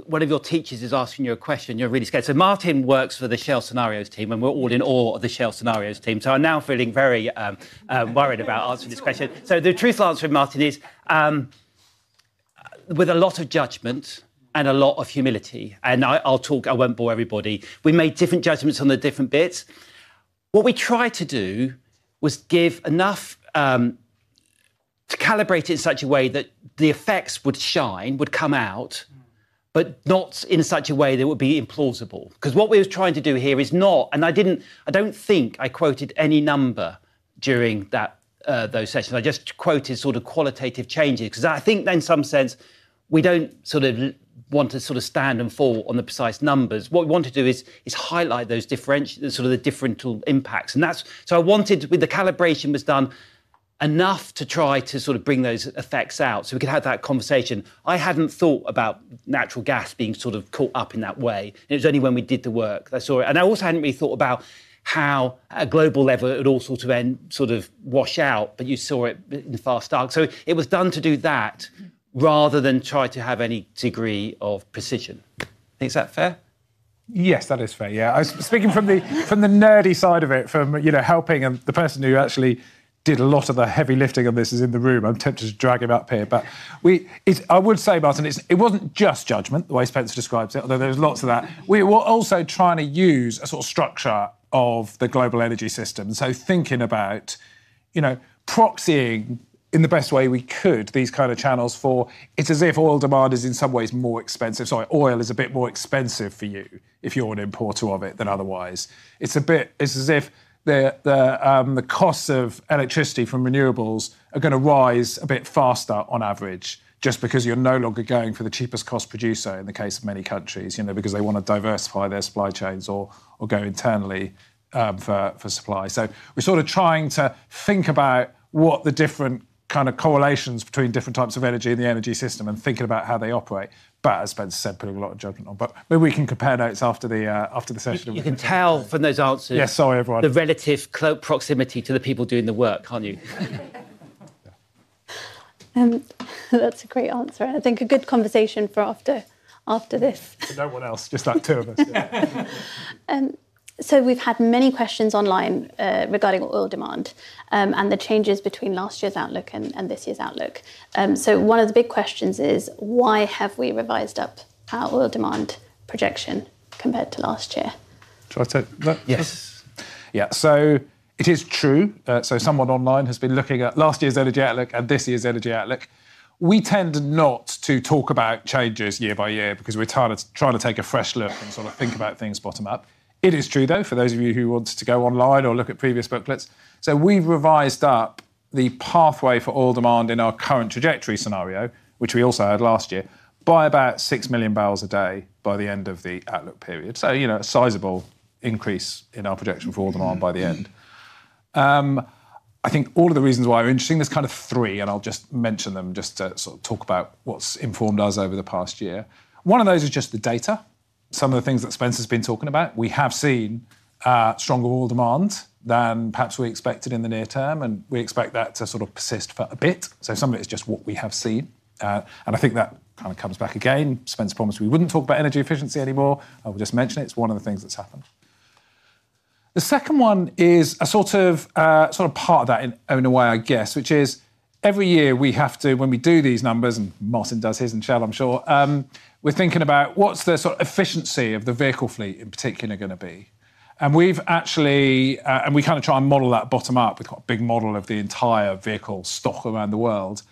one of your teachers is asking you a question, you're really scared. Martin works for the Shell Scenarios team, and we're all in awe of the Shell Scenarios team. I'm now feeling very worried about answering this question. The truthful answer from Martin is with a lot of judgment and a lot of humility, and I'll talk, I won't bore everybody. We made different judgments on the different bits. What we tried to do was give enough to calibrate it in such a way that the effects would shine, would come out, but not in such a way that would be implausible. What we were trying to do here is not, and I didn't, I don't think I quoted any number during those sessions. I just quoted sort of qualitative changes. I think in some sense, we don't want to sort of stand and fall on the precise numbers. What we want to do is highlight those differential impacts. I wanted, when the calibration was done, enough to try to bring those effects out so we could have that conversation. I hadn't thought about natural gas being caught up in that way. It was only when we did the work I saw it. I also hadn't really thought about how at a global level it would all end, sort of wash out, but you saw it in the fast dark. It was done to do that rather than try to have any degree of precision. Is that fair? Yes, that is fair. Speaking from the nerdy side of it, from helping the person who actually did a lot of the heavy lifting of this is in the room, I'm tempted to drag him up here. I would say, Martin, it wasn't just judgment, the way Spencer describes it, although there's lots of that. We were also trying to use a sort of structure of the global energy system. Thinking about, you know, proxying in the best way we could these kind of channels for, it's as if oil demand is in some ways more expensive. Sorry, oil is a bit more expensive for you if you're an importer of it than otherwise. It's as if the costs of electricity from renewables are going to rise a bit faster on average, just because you're no longer going for the cheapest cost producer in the case of many countries, you know, because they want to diversify their supply chains or go internally for supply. We were sort of trying to think about what the different kind of correlations between different types of energy in the energy system and thinking about how they operate. As Spencer said, putting a lot of judgment on. Maybe we can compare notes after the session. You can tell from those answers. Yes, sorry, everyone. The relative close proximity to the people doing the work, can't you? That's a great answer. I think a good conversation for after this. No one else, just the two of us. We've had many questions online regarding oil demand and the changes between last year's Outlook and this year's Outlook. One of the big questions is, why have we revised up our oil demand projection compared to last year? Do I take that? Yes. Yeah, it is true. Someone online has been looking at last year's Energy Outlook and this year's Energy Outlook. We tend not to talk about changes year by year because we're trying to take a fresh look and sort of think about things bottom up. It is true, though, for those of you who wanted to go online or look at previous booklets. We've revised up the pathway for oil demand in our current trajectory scenario, which we also had last year, by about 6 million bbl a day by the end of the Outlook period. A sizable increase in our projection for oil demand by the end. I think all of the reasons why are interesting. There's kind of three, and I'll just mention them just to sort of talk about what's informed us over the past year. One of those is just the data, some of the things that Spencer's been talking about. We have seen stronger oil demand than perhaps we expected in the near term, and we expect that to sort of persist for a bit. Some of it is just what we have seen. I think that kind of comes back again. Spencer promised we wouldn't talk about energy efficiency anymore. I will just mention it. It's one of the things that's happened. The second one is a sort of part of that in a way, I guess, which is every year we have to, when we do these numbers, and Martin does his in Shell, I'm sure, we're thinking about what's the sort of efficiency of the vehicle fleet in particular going to be. We kind of try and model that bottom up. We've got a big model of the entire vehicle stock around the world.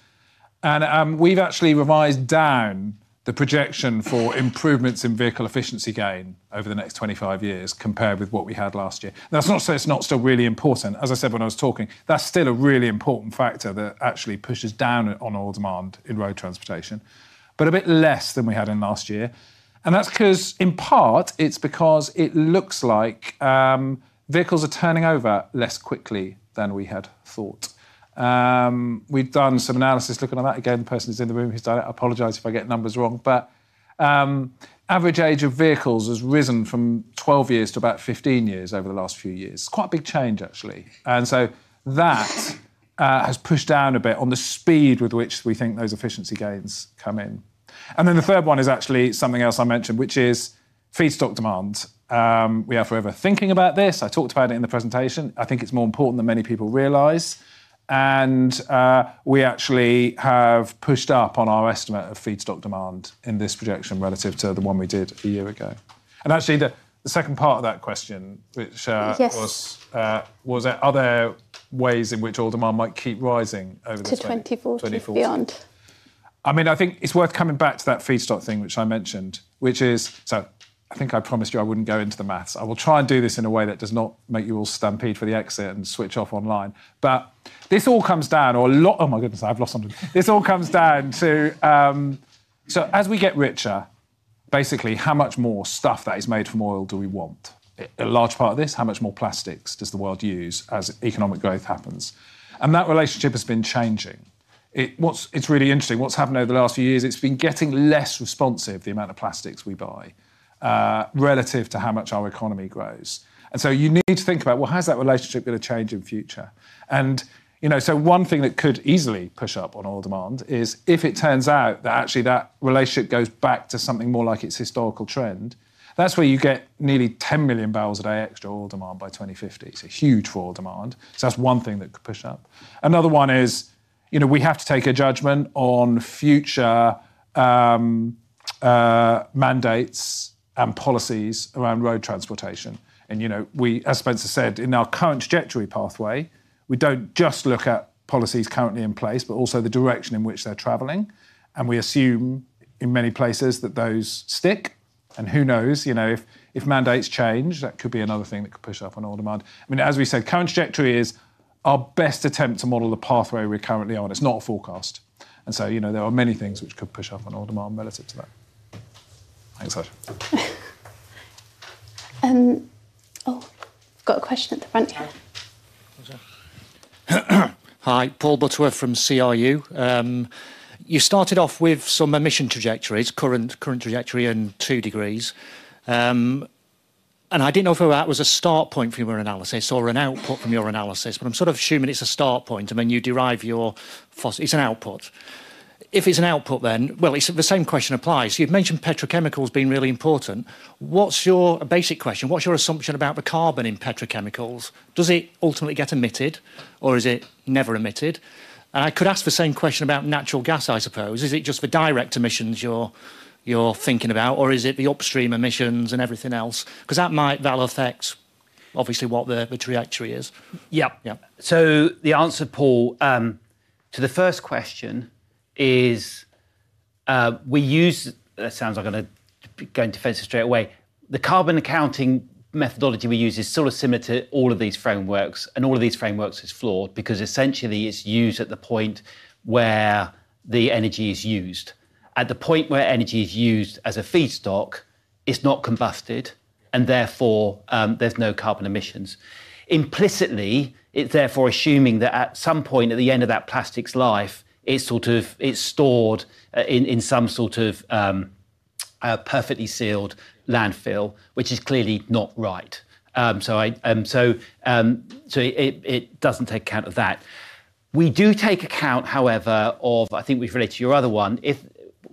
We've actually revised down the projection for improvements in vehicle efficiency gain over the next 25 years compared with what we had last year. That's not to say it's not still really important. As I said when I was talking, that's still a really important factor that actually pushes down on oil demand in road transportation, but a bit less than we had in last year. That's because, in part, it looks like vehicles are turning over less quickly than we had thought. We've done some analysis looking at that. The person who's in the room has done it. I apologize if I get numbers wrong. Average age of vehicles has risen from 12 years to about 15 years over the last few years. It's quite a big change, actually. That's pushed down a bit on the speed with which we think those efficiency gains come in. The third one is actually something else I mentioned, which is feedstock demand. We are forever thinking about this. I talked about it in the presentation. I think it's more important than many people realize. We actually have pushed up on our estimate of feedstock demand in this projection relative to the one we did a year ago. The second part of that question, which was, was there other ways in which our demand might keep rising over the 2040. To 2040 and beyond? I think it's worth coming back to that feedstock thing, which I mentioned, which is... I think I promised you I wouldn't go into the maths. I will try and do this in a way that does not make you all stampede for the exit and switch off online. This all comes down, or a lot... Oh my goodness, I've lost something. This all comes down to, as we get richer, basically, how much more stuff that is made from oil do we want? A large part of this is how much more plastics does the world use as economic growth happens? That relationship has been changing. It's really interesting. What's happened over the last few years is it's been getting less responsive, the amount of plastics we buy, relative to how much our economy grows. You need to think about how that relationship is going to change in the future. One thing that could easily push up on oil demand is if it turns out that actually that relationship goes back to something more like its historical trend. That's where you get nearly 10 million bbl a day extra oil demand by 2050. It's a huge fall in demand. That's one thing that could push up. Another one is we have to take a judgment on future mandates and policies around road transportation. As Spencer said, in our current trajectory pathway, we don't just look at policies currently in place, but also the direction in which they're traveling. We assume in many places that those stick. Who knows, if mandates change, that could be another thing that could push up on oil demand. As we said, current trajectory is our best attempt to model the pathway we're currently on. It's not a forecast. There are many things which could push up on oil demand relative to that. I think that's it. Oh, got a question at the front. Hi, Paul Butterworth from CRU. You started off with some emission trajectories, current trajectory and two degrees. I didn't know whether that was a start point from your analysis or an output from your analysis, but I'm sort of assuming it's a start point. I mean, you derive your... If it's an output, the same question applies. You've mentioned petrochemicals being really important. What's your basic question? What's your assumption about the carbon in petrochemicals? Does it ultimately get emitted or is it never emitted? I could ask the same question about natural gas, I suppose. Is it just the direct emissions you're thinking about or is it the upstream emissions and everything else? That might affect, obviously, what the trajectory is. Yeah, yeah. The answer, Paul, to the first question is, we use, that sounds like I'm going to go into defense straight away. The carbon accounting methodology we use is sort of similar to all of these frameworks, and all of these frameworks are flawed because essentially it's used at the point where the energy is used. At the point where energy is used as a feedstock, it's not combusted, and therefore there's no carbon emissions. Implicitly, it's therefore assuming that at some point at the end of that plastic's life, it's sort of stored in some sort of perfectly sealed landfill, which is clearly not right. It doesn't take account of that. We do take account, however, of, I think we've related to your other one, if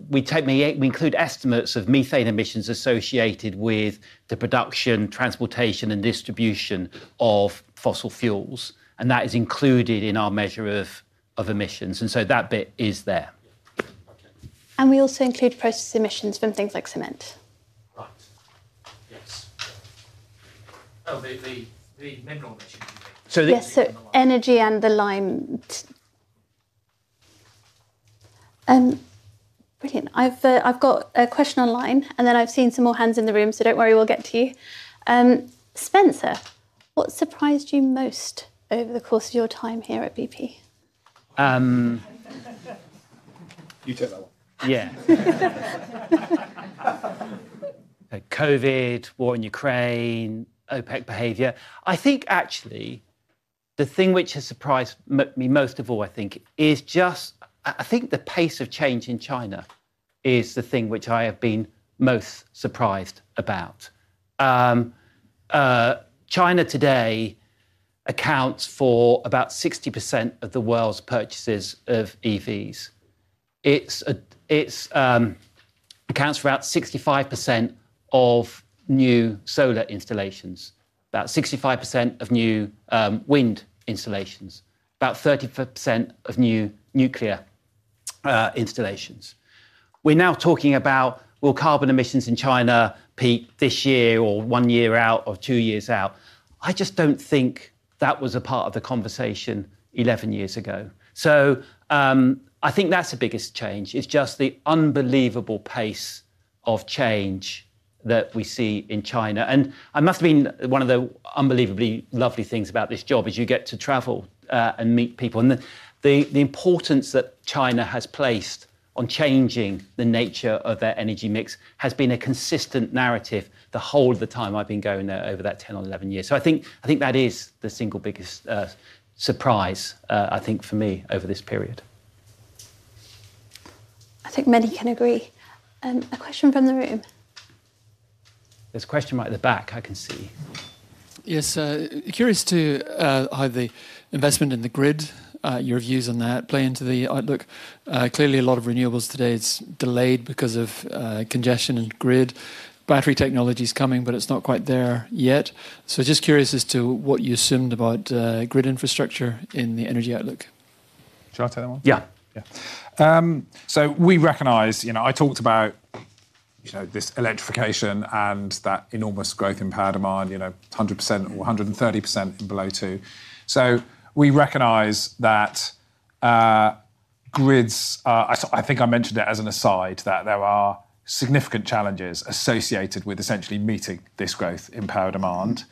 we take maybe we include estimates of methane emissions associated with the production, transportation, and distribution of fossil fuels, and that is included in our measure of emissions. That bit is there. We also include process emissions from things like cement. So. So energy and the lime. Brilliant. I've got a question online, and then I've seen some more hands in the room, so don't worry, we'll get to you. Spencer, what surprised you most over the course of your time here at BP? You took that one. Yeah. COVID, war in Ukraine, OPEC behavior. I think actually the thing which has surprised me most of all, I think, is just the pace of change in China is the thing which I have been most surprised about. China today accounts for about 60% of the world's purchases of EVs. It accounts for about 65% of new solar installations, about 65% of new wind installations, about 35% of new nuclear installations. We're now talking about, carbon emissions in China peaked this year or one year out or two years out. I just don't think that was a part of the conversation 11 years ago. I think that's the biggest change. It's just the unbelievable pace of change that we see in China. I must mean one of the unbelievably lovely things about this job is you get to travel and meet people. The importance that China has placed on changing the nature of their energy mix has been a consistent narrative the whole of the time I've been going there over that 10 or 11 years. I think that is the single biggest surprise, I think, for me over this period. I think many can agree. A question from the room. There's a question right at the back, I can see. Yes, curious to how the investment in the grid, your views on that play into the outlook. Clearly, a lot of renewables today are delayed because of congestion and grid. Battery technology is coming, but it's not quite there yet. Just curious as to what you assumed about grid infrastructure in the Energy Outlook. Should I take that one? Yeah. Yeah. We recognize, you know, I talked about this electrification and that enormous growth in power demand, you know, 100% or 130% in below two. We recognize that grids, I think I mentioned it as an aside, that there are significant challenges associated with essentially meeting this growth in power demand.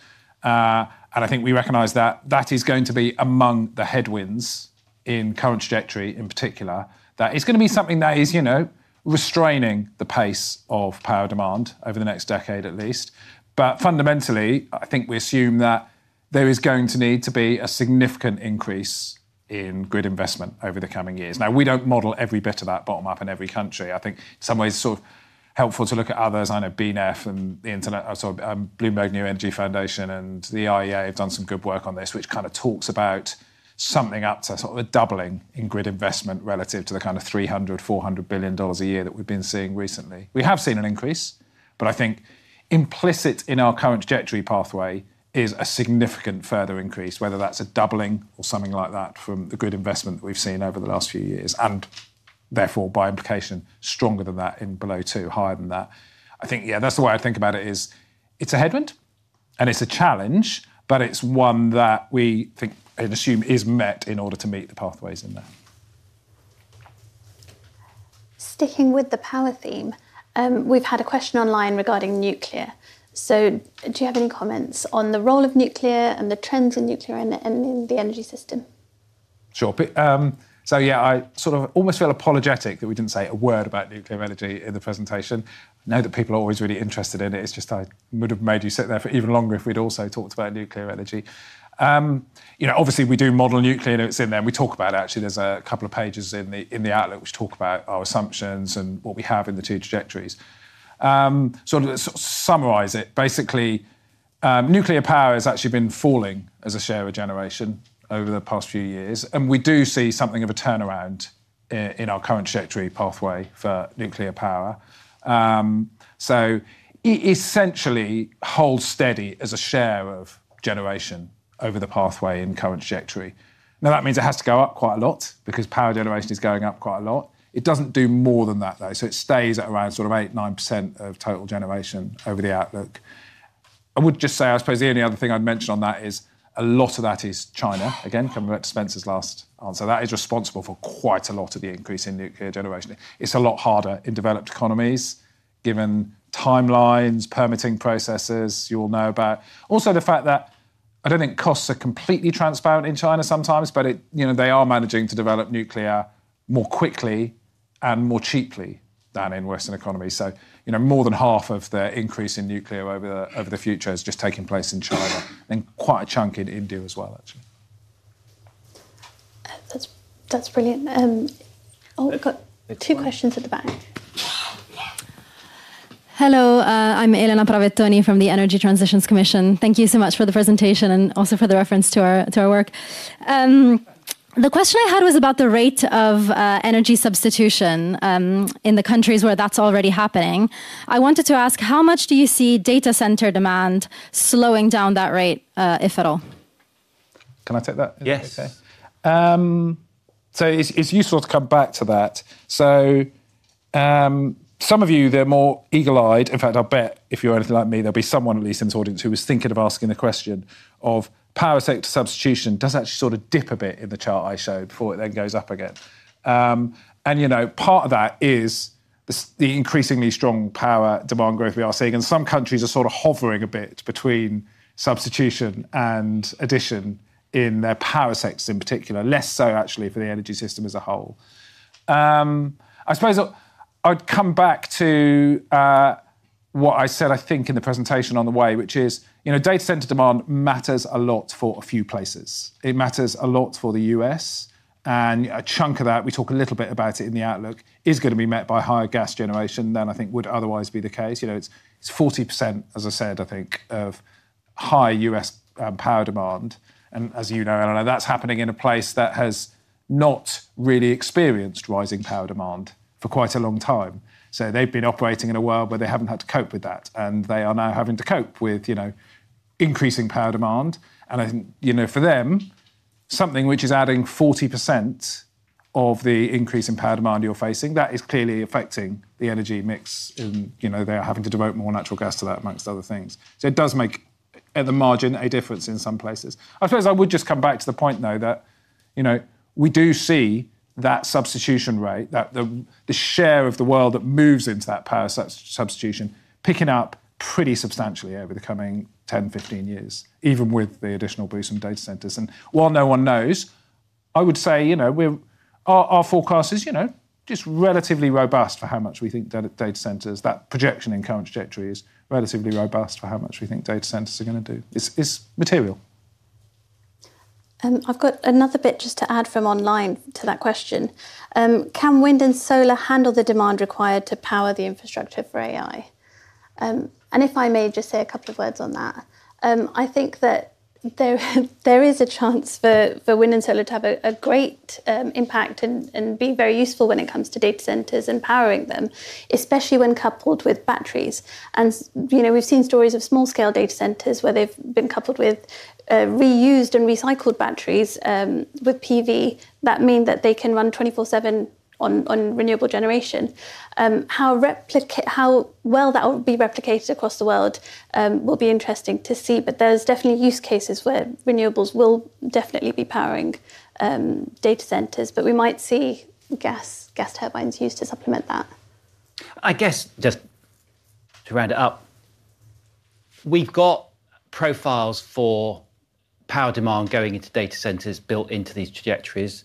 I think we recognize that is going to be among the headwinds in current trajectory in particular, that it's going to be something that is restraining the pace of power demand over the next decade at least. Fundamentally, I think we assume that there is going to need to be a significant increase in grid investment over the coming years. We don't model every bit of that bottom up in every country. I think in some ways it's helpful to look at others. I know BNEF, Bloomberg New Energy Finance and the IEA have done some good work on this, which kind of talks about something up to a doubling in grid investment relative to the kind of $300 billion, $400 billion a year that we've been seeing recently. We have seen an increase, but I think implicit in our current trajectory pathway is a significant further increase, whether that's a doubling or something like that from the grid investment we've seen over the last few years, and therefore by implication stronger than that in below two, higher than that. I think that's the way I think about it. It's a headwind and it's a challenge, but it's one that we think and assume is met in order to meet the pathways in there. Sticking with the power theme, we've had a question online regarding nuclear. Do you have any comments on the role of nuclear and the trends in nuclear and the energy system? Sure. I sort of almost felt apologetic that we didn't say a word about nuclear in the presentation. I know that people are always really interested in it. It's just I would have made you sit there for even longer if we'd also talked about nuclear. Obviously, we do model nuclear and it's in there and we talk about it. Actually, there's a couple of pages in the outlook which talk about our assumptions and what we have in the two trajectories. To summarize it, basically, nuclear power has actually been falling as a share of generation over the past few years, and we do see something of a turnaround in our current trajectory pathway for nuclear power. It essentially holds steady as a share of generation over the pathway in current trajectory. That means it has to go up quite a lot because power generation is going up quite a lot. It doesn't do more than that though, so it stays at around 8%-9% of total generation over the outlook. I would just say, I suppose the only other thing I'd mention on that is a lot of that is China. Again, coming back to Spencer's last answer, that is responsible for quite a lot of the increase in nuclear generation. It's a lot harder in developed economies given timelines, permitting processes you all know about. Also, the fact that I don't think costs are completely transparent in China sometimes, but they are managing to develop nuclear more quickly and more cheaply than in Western economies. More than half of the increase in nuclear over the future is just taking place in China, and quite a chunk in India as well, actually. That's brilliant. Oh, we've got two questions at the back. Hello, I'm Elena Pravettoni from the Energy Transitions Commission. Thank you so much for the presentation and also for the reference to our work. The question I had was about the rate of energy substitution in the countries where that's already happening. I wanted to ask, how much do you see data center demand slowing down that rate, if at all? Can I take that? Yes. It's useful to come back to that. Some of you, the more eagle-eyed, in fact, I'll bet if you're anything like me, there'll be someone at least in this audience who was thinking of asking the question of power sector substitution. Does that sort of dip a bit in the chart I showed before it then goes up again? Part of that is the increasingly strong power demand growth we are seeing. Some countries are sort of hovering a bit between substitution and addition in their power sectors in particular, less so actually for the energy system as a whole. I suppose I'd come back to what I said, I think, in the presentation on the way, which is, you know, data center demand matters a lot for a few places. It matters a lot for the U.S., and a chunk of that, we talk a little bit about it in the outlook, is going to be met by higher gas generation than I think would otherwise be the case. It's 40%, as I said, I think, of high U.S. power demand. As you know, and I know, that's happening in a place that has not really experienced rising power demand for quite a long time. They've been operating in a world where they haven't had to cope with that. They are now having to cope with increasing power demand. I think for them, something which is adding 40% of the increase in power demand you're facing, that is clearly affecting the energy mix. They are having to devote more natural gas to that, amongst other things. It does make at the margin a difference in some places. I suppose I would just come back to the point, though, that we do see that substitution rate, that the share of the world that moves into that power substitution, picking up pretty substantially over the coming 10, 15 years, even with the additional boost in data centers. While no one knows, I would say our forecast is just relatively robust for how much we think data centers, that projection in current trajectory is relatively robust for how much we think data centers are going to do. It's material. I've got another bit just to add from online to that question. Can wind and solar handle the demand required to power the infrastructure for AI? If I may just say a couple of words on that, I think that there is a chance for wind and solar to have a great impact and be very useful when it comes to data centers and powering them, especially when coupled with batteries. We've seen stories of small-scale data centers where they've been coupled with reused and recycled batteries with PV that mean that they can run 24/7 on renewable generation. How well that will be replicated across the world will be interesting to see, but there's definitely use cases where renewables will definitely be powering data centers. We might see gas turbines used to supplement that. I guess just to add it up, we've got profiles for power demand going into data centers built into these trajectories.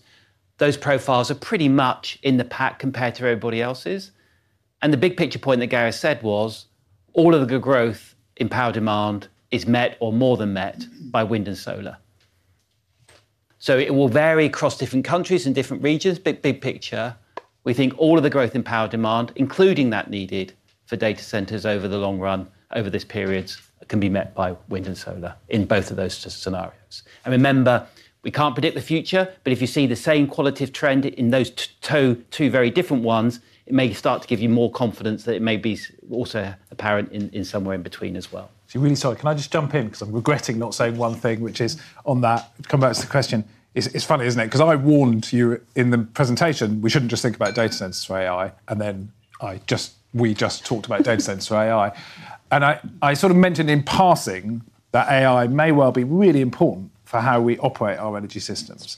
Those profiles are pretty much in the pack compared to everybody else's. The big picture point that Gareth said was all of the growth in power demand is met or more than met by wind and solar. It will vary across different countries and different regions. Big picture, we think all of the growth in power demand, including that needed for data centers over the long run over this period, can be met by wind and solar in both of those scenarios. Remember, we can't predict the future, but if you see the same qualitative trend in those two very different ones, it may start to give you more confidence that it may be also apparent in somewhere in between as well. You really started, can I just jump in because I'm regretting not saying one thing which is on that, converts the question. It's funny, isn't it? I warned you in the presentation, we shouldn't just think about data centers for AI, and then we just talked about data centers for AI. I sort of mentioned in passing that AI may well be really important for how we operate our energy systems.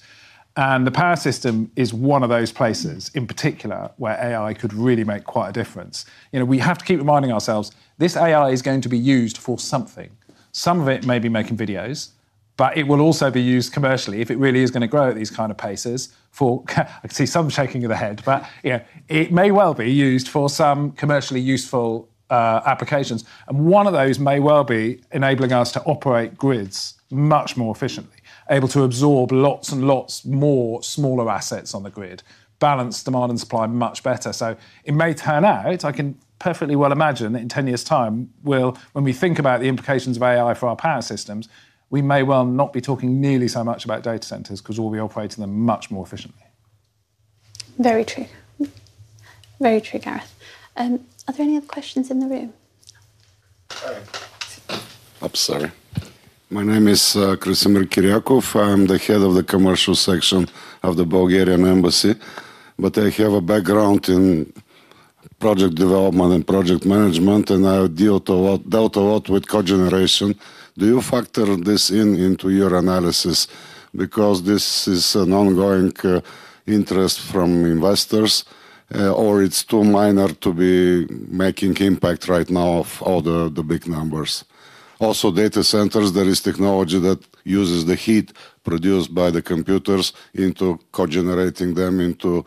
The power system is one of those places in particular where AI could really make quite a difference. We have to keep reminding ourselves this AI is going to be used for something. Some of it may be making videos, but it will also be used commercially if it really is going to grow at these kinds of paces. I can see some shaking of the head, but you know, it may well be used for some commercially useful applications. One of those may well be enabling us to operate grids much more efficiently, able to absorb lots and lots more smaller assets on the grid, balance demand and supply much better. It may turn out, I can perfectly well imagine that in 10 years' time, when we think about the implications of AI for our power systems, we may well not be talking nearly so much about data centers because we'll be operating them much more efficiently. Very true. Very true, Gareth. Are there any other questions in the room? Upstairs. My name is Krassimir Kiriakov. I'm the Head of the Commercial Section of the Bulgarian Embassy, but I have a background in project development and project management, and I dealt a lot with cogeneration. Do you factor this in into your analysis because this is an ongoing interest from investors, or it's too minor to be making impact right now of all the big numbers? Also, data centers, there is technology that uses the heat produced by the computers into cogenerating them into,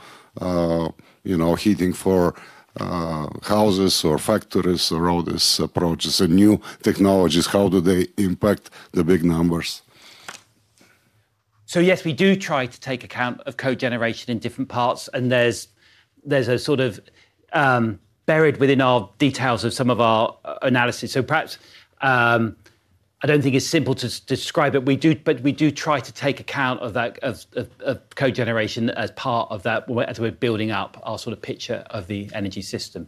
you know, heating for houses or factories or all these approaches and new technologies. How do they impact the big numbers? Yes, we do try to take account of cogeneration in different parts, and it's sort of buried within our details of some of our analysis. I don't think it's simple to describe it, but we do try to take account of that cogeneration as part of that as we're building up our picture of the energy system.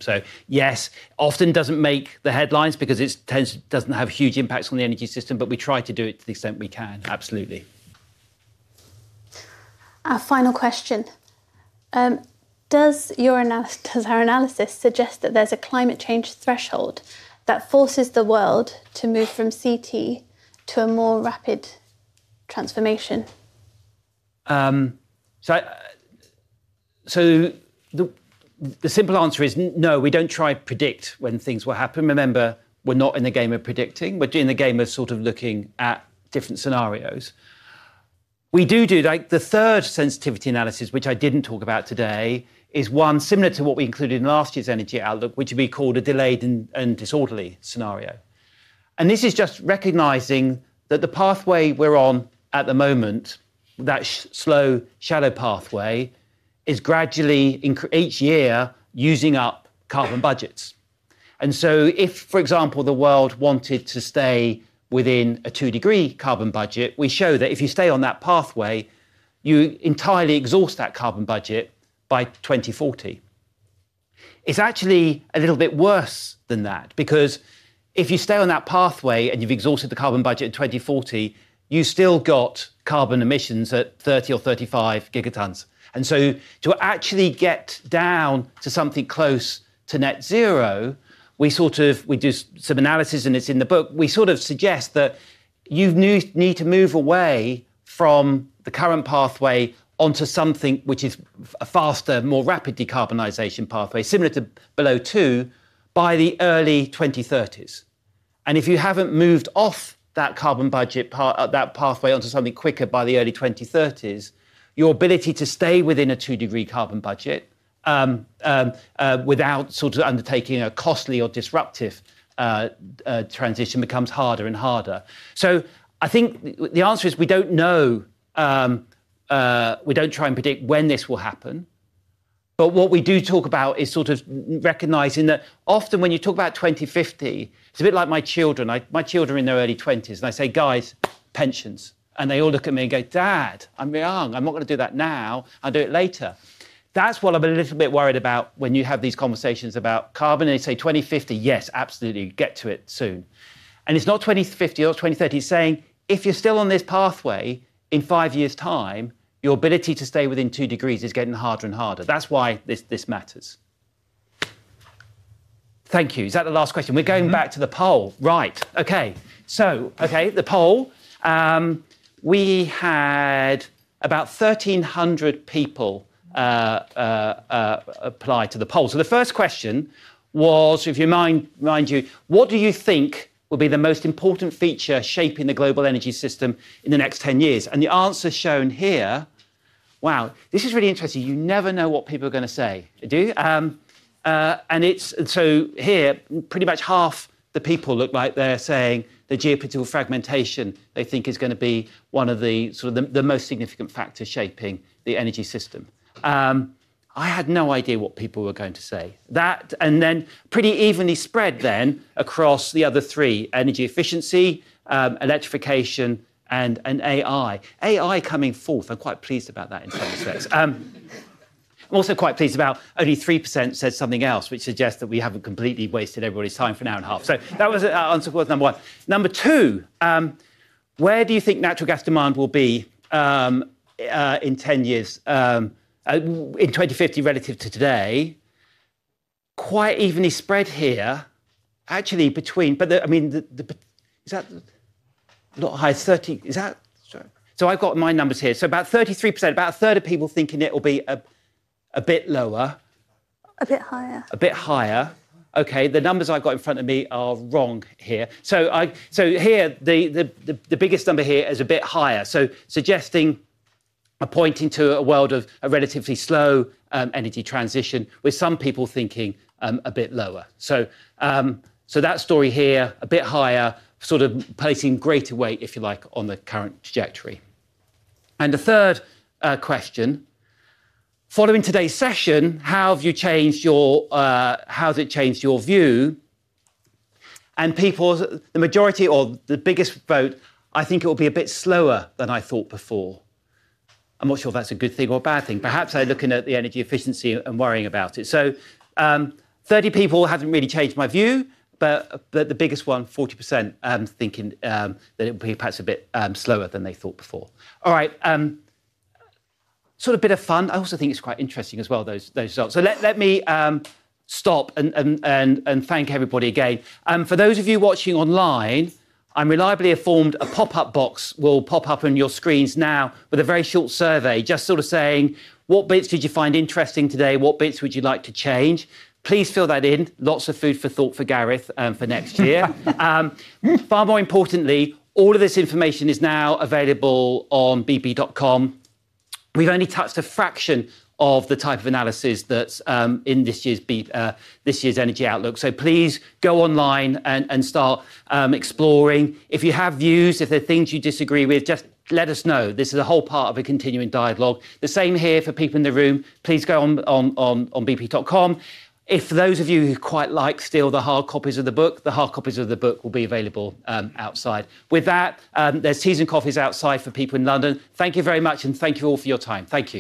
It often doesn't make the headlines because it doesn't have huge impacts on the energy system, but we try to do it to the extent we can, absolutely. Our final question. Does your analysis suggest that there's a climate change threshold that forces the world to move from CT to a more rapid transformation? The simple answer is no, we don't try to predict when things will happen. Remember, we're not in the game of predicting. We're in the game of sort of looking at different scenarios. We do do, like the third sensitivity analysis, which I didn't talk about today, is one similar to what we included in last year's Energy Outlook, which we called a delayed and disorderly scenario. This is just recognizing that the pathway we're on at the moment, that slow shadow pathway, is gradually each year using up carbon budgets. If, for example, the world wanted to stay within a two-degree carbon budget, we show that if you stay on that pathway, you entirely exhaust that carbon budget by 2040. It's actually a little bit worse than that because if you stay on that pathway and you've exhausted the carbon budget in 2040, you've still got carbon emissions at 30 or 35 Gt. To actually get down to something close to net zero, we do some analysis, and it's in the book, we suggest that you need to move away from the current pathway onto something which is a faster, more rapid decarbonization pathway, similar to below two, by the early 2030s. If you haven't moved off that carbon budget, that pathway onto something quicker by the early 2030s, your ability to stay within a two-degree carbon budget without undertaking a costly or disruptive transition becomes harder and harder. I think the answer is we don't know, we don't try and predict when this will happen. What we do talk about is recognizing that often when you talk about 2050, it's a bit like my children, my children in their early 20s, and I say, "Guys, pensions." They all look at me and go, "Dad, I'm young. I'm not going to do that now. I'll do it later." That's what I'm a little bit worried about when you have these conversations about carbon. They say 2050, yes, absolutely, get to it soon. It's not 2050 or 2030 saying, "If you're still on this pathway in five years' time, your ability to stay within two degrees is getting harder and harder." That's why this matters. Thank you. Is that the last question? We're going back to the poll. Right. Okay. The poll. We had about 1,300 people apply to the poll. The first question was, if you mind, mind you, what do you think will be the most important feature shaping the global energy system in the next 10 years? The answer shown here, wow, this is really interesting. You never know what people are going to say. It's so here, pretty much half the people look like they're saying the geopolitical fragmentation they think is going to be one of the most significant factors shaping the energy system. I had no idea what people were going to say. It's then pretty evenly spread across the other three, energy efficiency, electrification, and AI. AI coming forth, I'm quite pleased about that in some respects. I'm also quite pleased about only 3% said something else, which suggests that we haven't completely wasted everybody's time for an hour and a half. That was our answer to number one. Number two, where do you think natural gas demand will be in 10 years, in 2050 relative to today? Quite evenly spread here, actually between, but I mean, is that not high? Is that, sorry. I've got my numbers here. About 33%, about a third of people thinking it will be a bit lower. A bit higher. A bit higher. Okay, the numbers I've got in front of me are wrong here. Here, the biggest number is a bit higher, suggesting a point into a world of a relatively slow energy transition with some people thinking a bit lower. That story here, a bit higher, sort of places greater weight, if you like, on the current trajectory. The third question, following today's session, how have you changed your, how has it changed your view? The majority or the biggest vote, I think it will be a bit slower than I thought before. I'm not sure if that's a good thing or a bad thing. Perhaps they're looking at the energy efficiency and worrying about it. 30 people haven't really changed my view, but the biggest one, 40%, I'm thinking that it will be perhaps a bit slower than they thought before. All right. Sort of a bit of fun. I also think it's quite interesting as well, those results. Let me stop and thank everybody again. For those of you watching online, I'm reliably informed a pop-up box will pop up on your screens now with a very short survey just sort of saying, what bits did you find interesting today? What bits would you like to change? Please fill that in. Lots of food for thought for Gareth for next year. Far more importantly, all of this information is now available on bp.com. We've only touched a fraction of the type of analysis that's in this year's Energy Outlook. Please go online and start exploring. If you have views, if there are things you disagree with, just let us know. This is a whole part of a continuing dialogue. The same here for people in the room. Please go on bp.com. For those of you who quite like still the hard copies of the book, the hard copies of the book will be available outside. With that, there's teas and coffees outside for people in London. Thank you very much, and thank you all for your time. Thank you.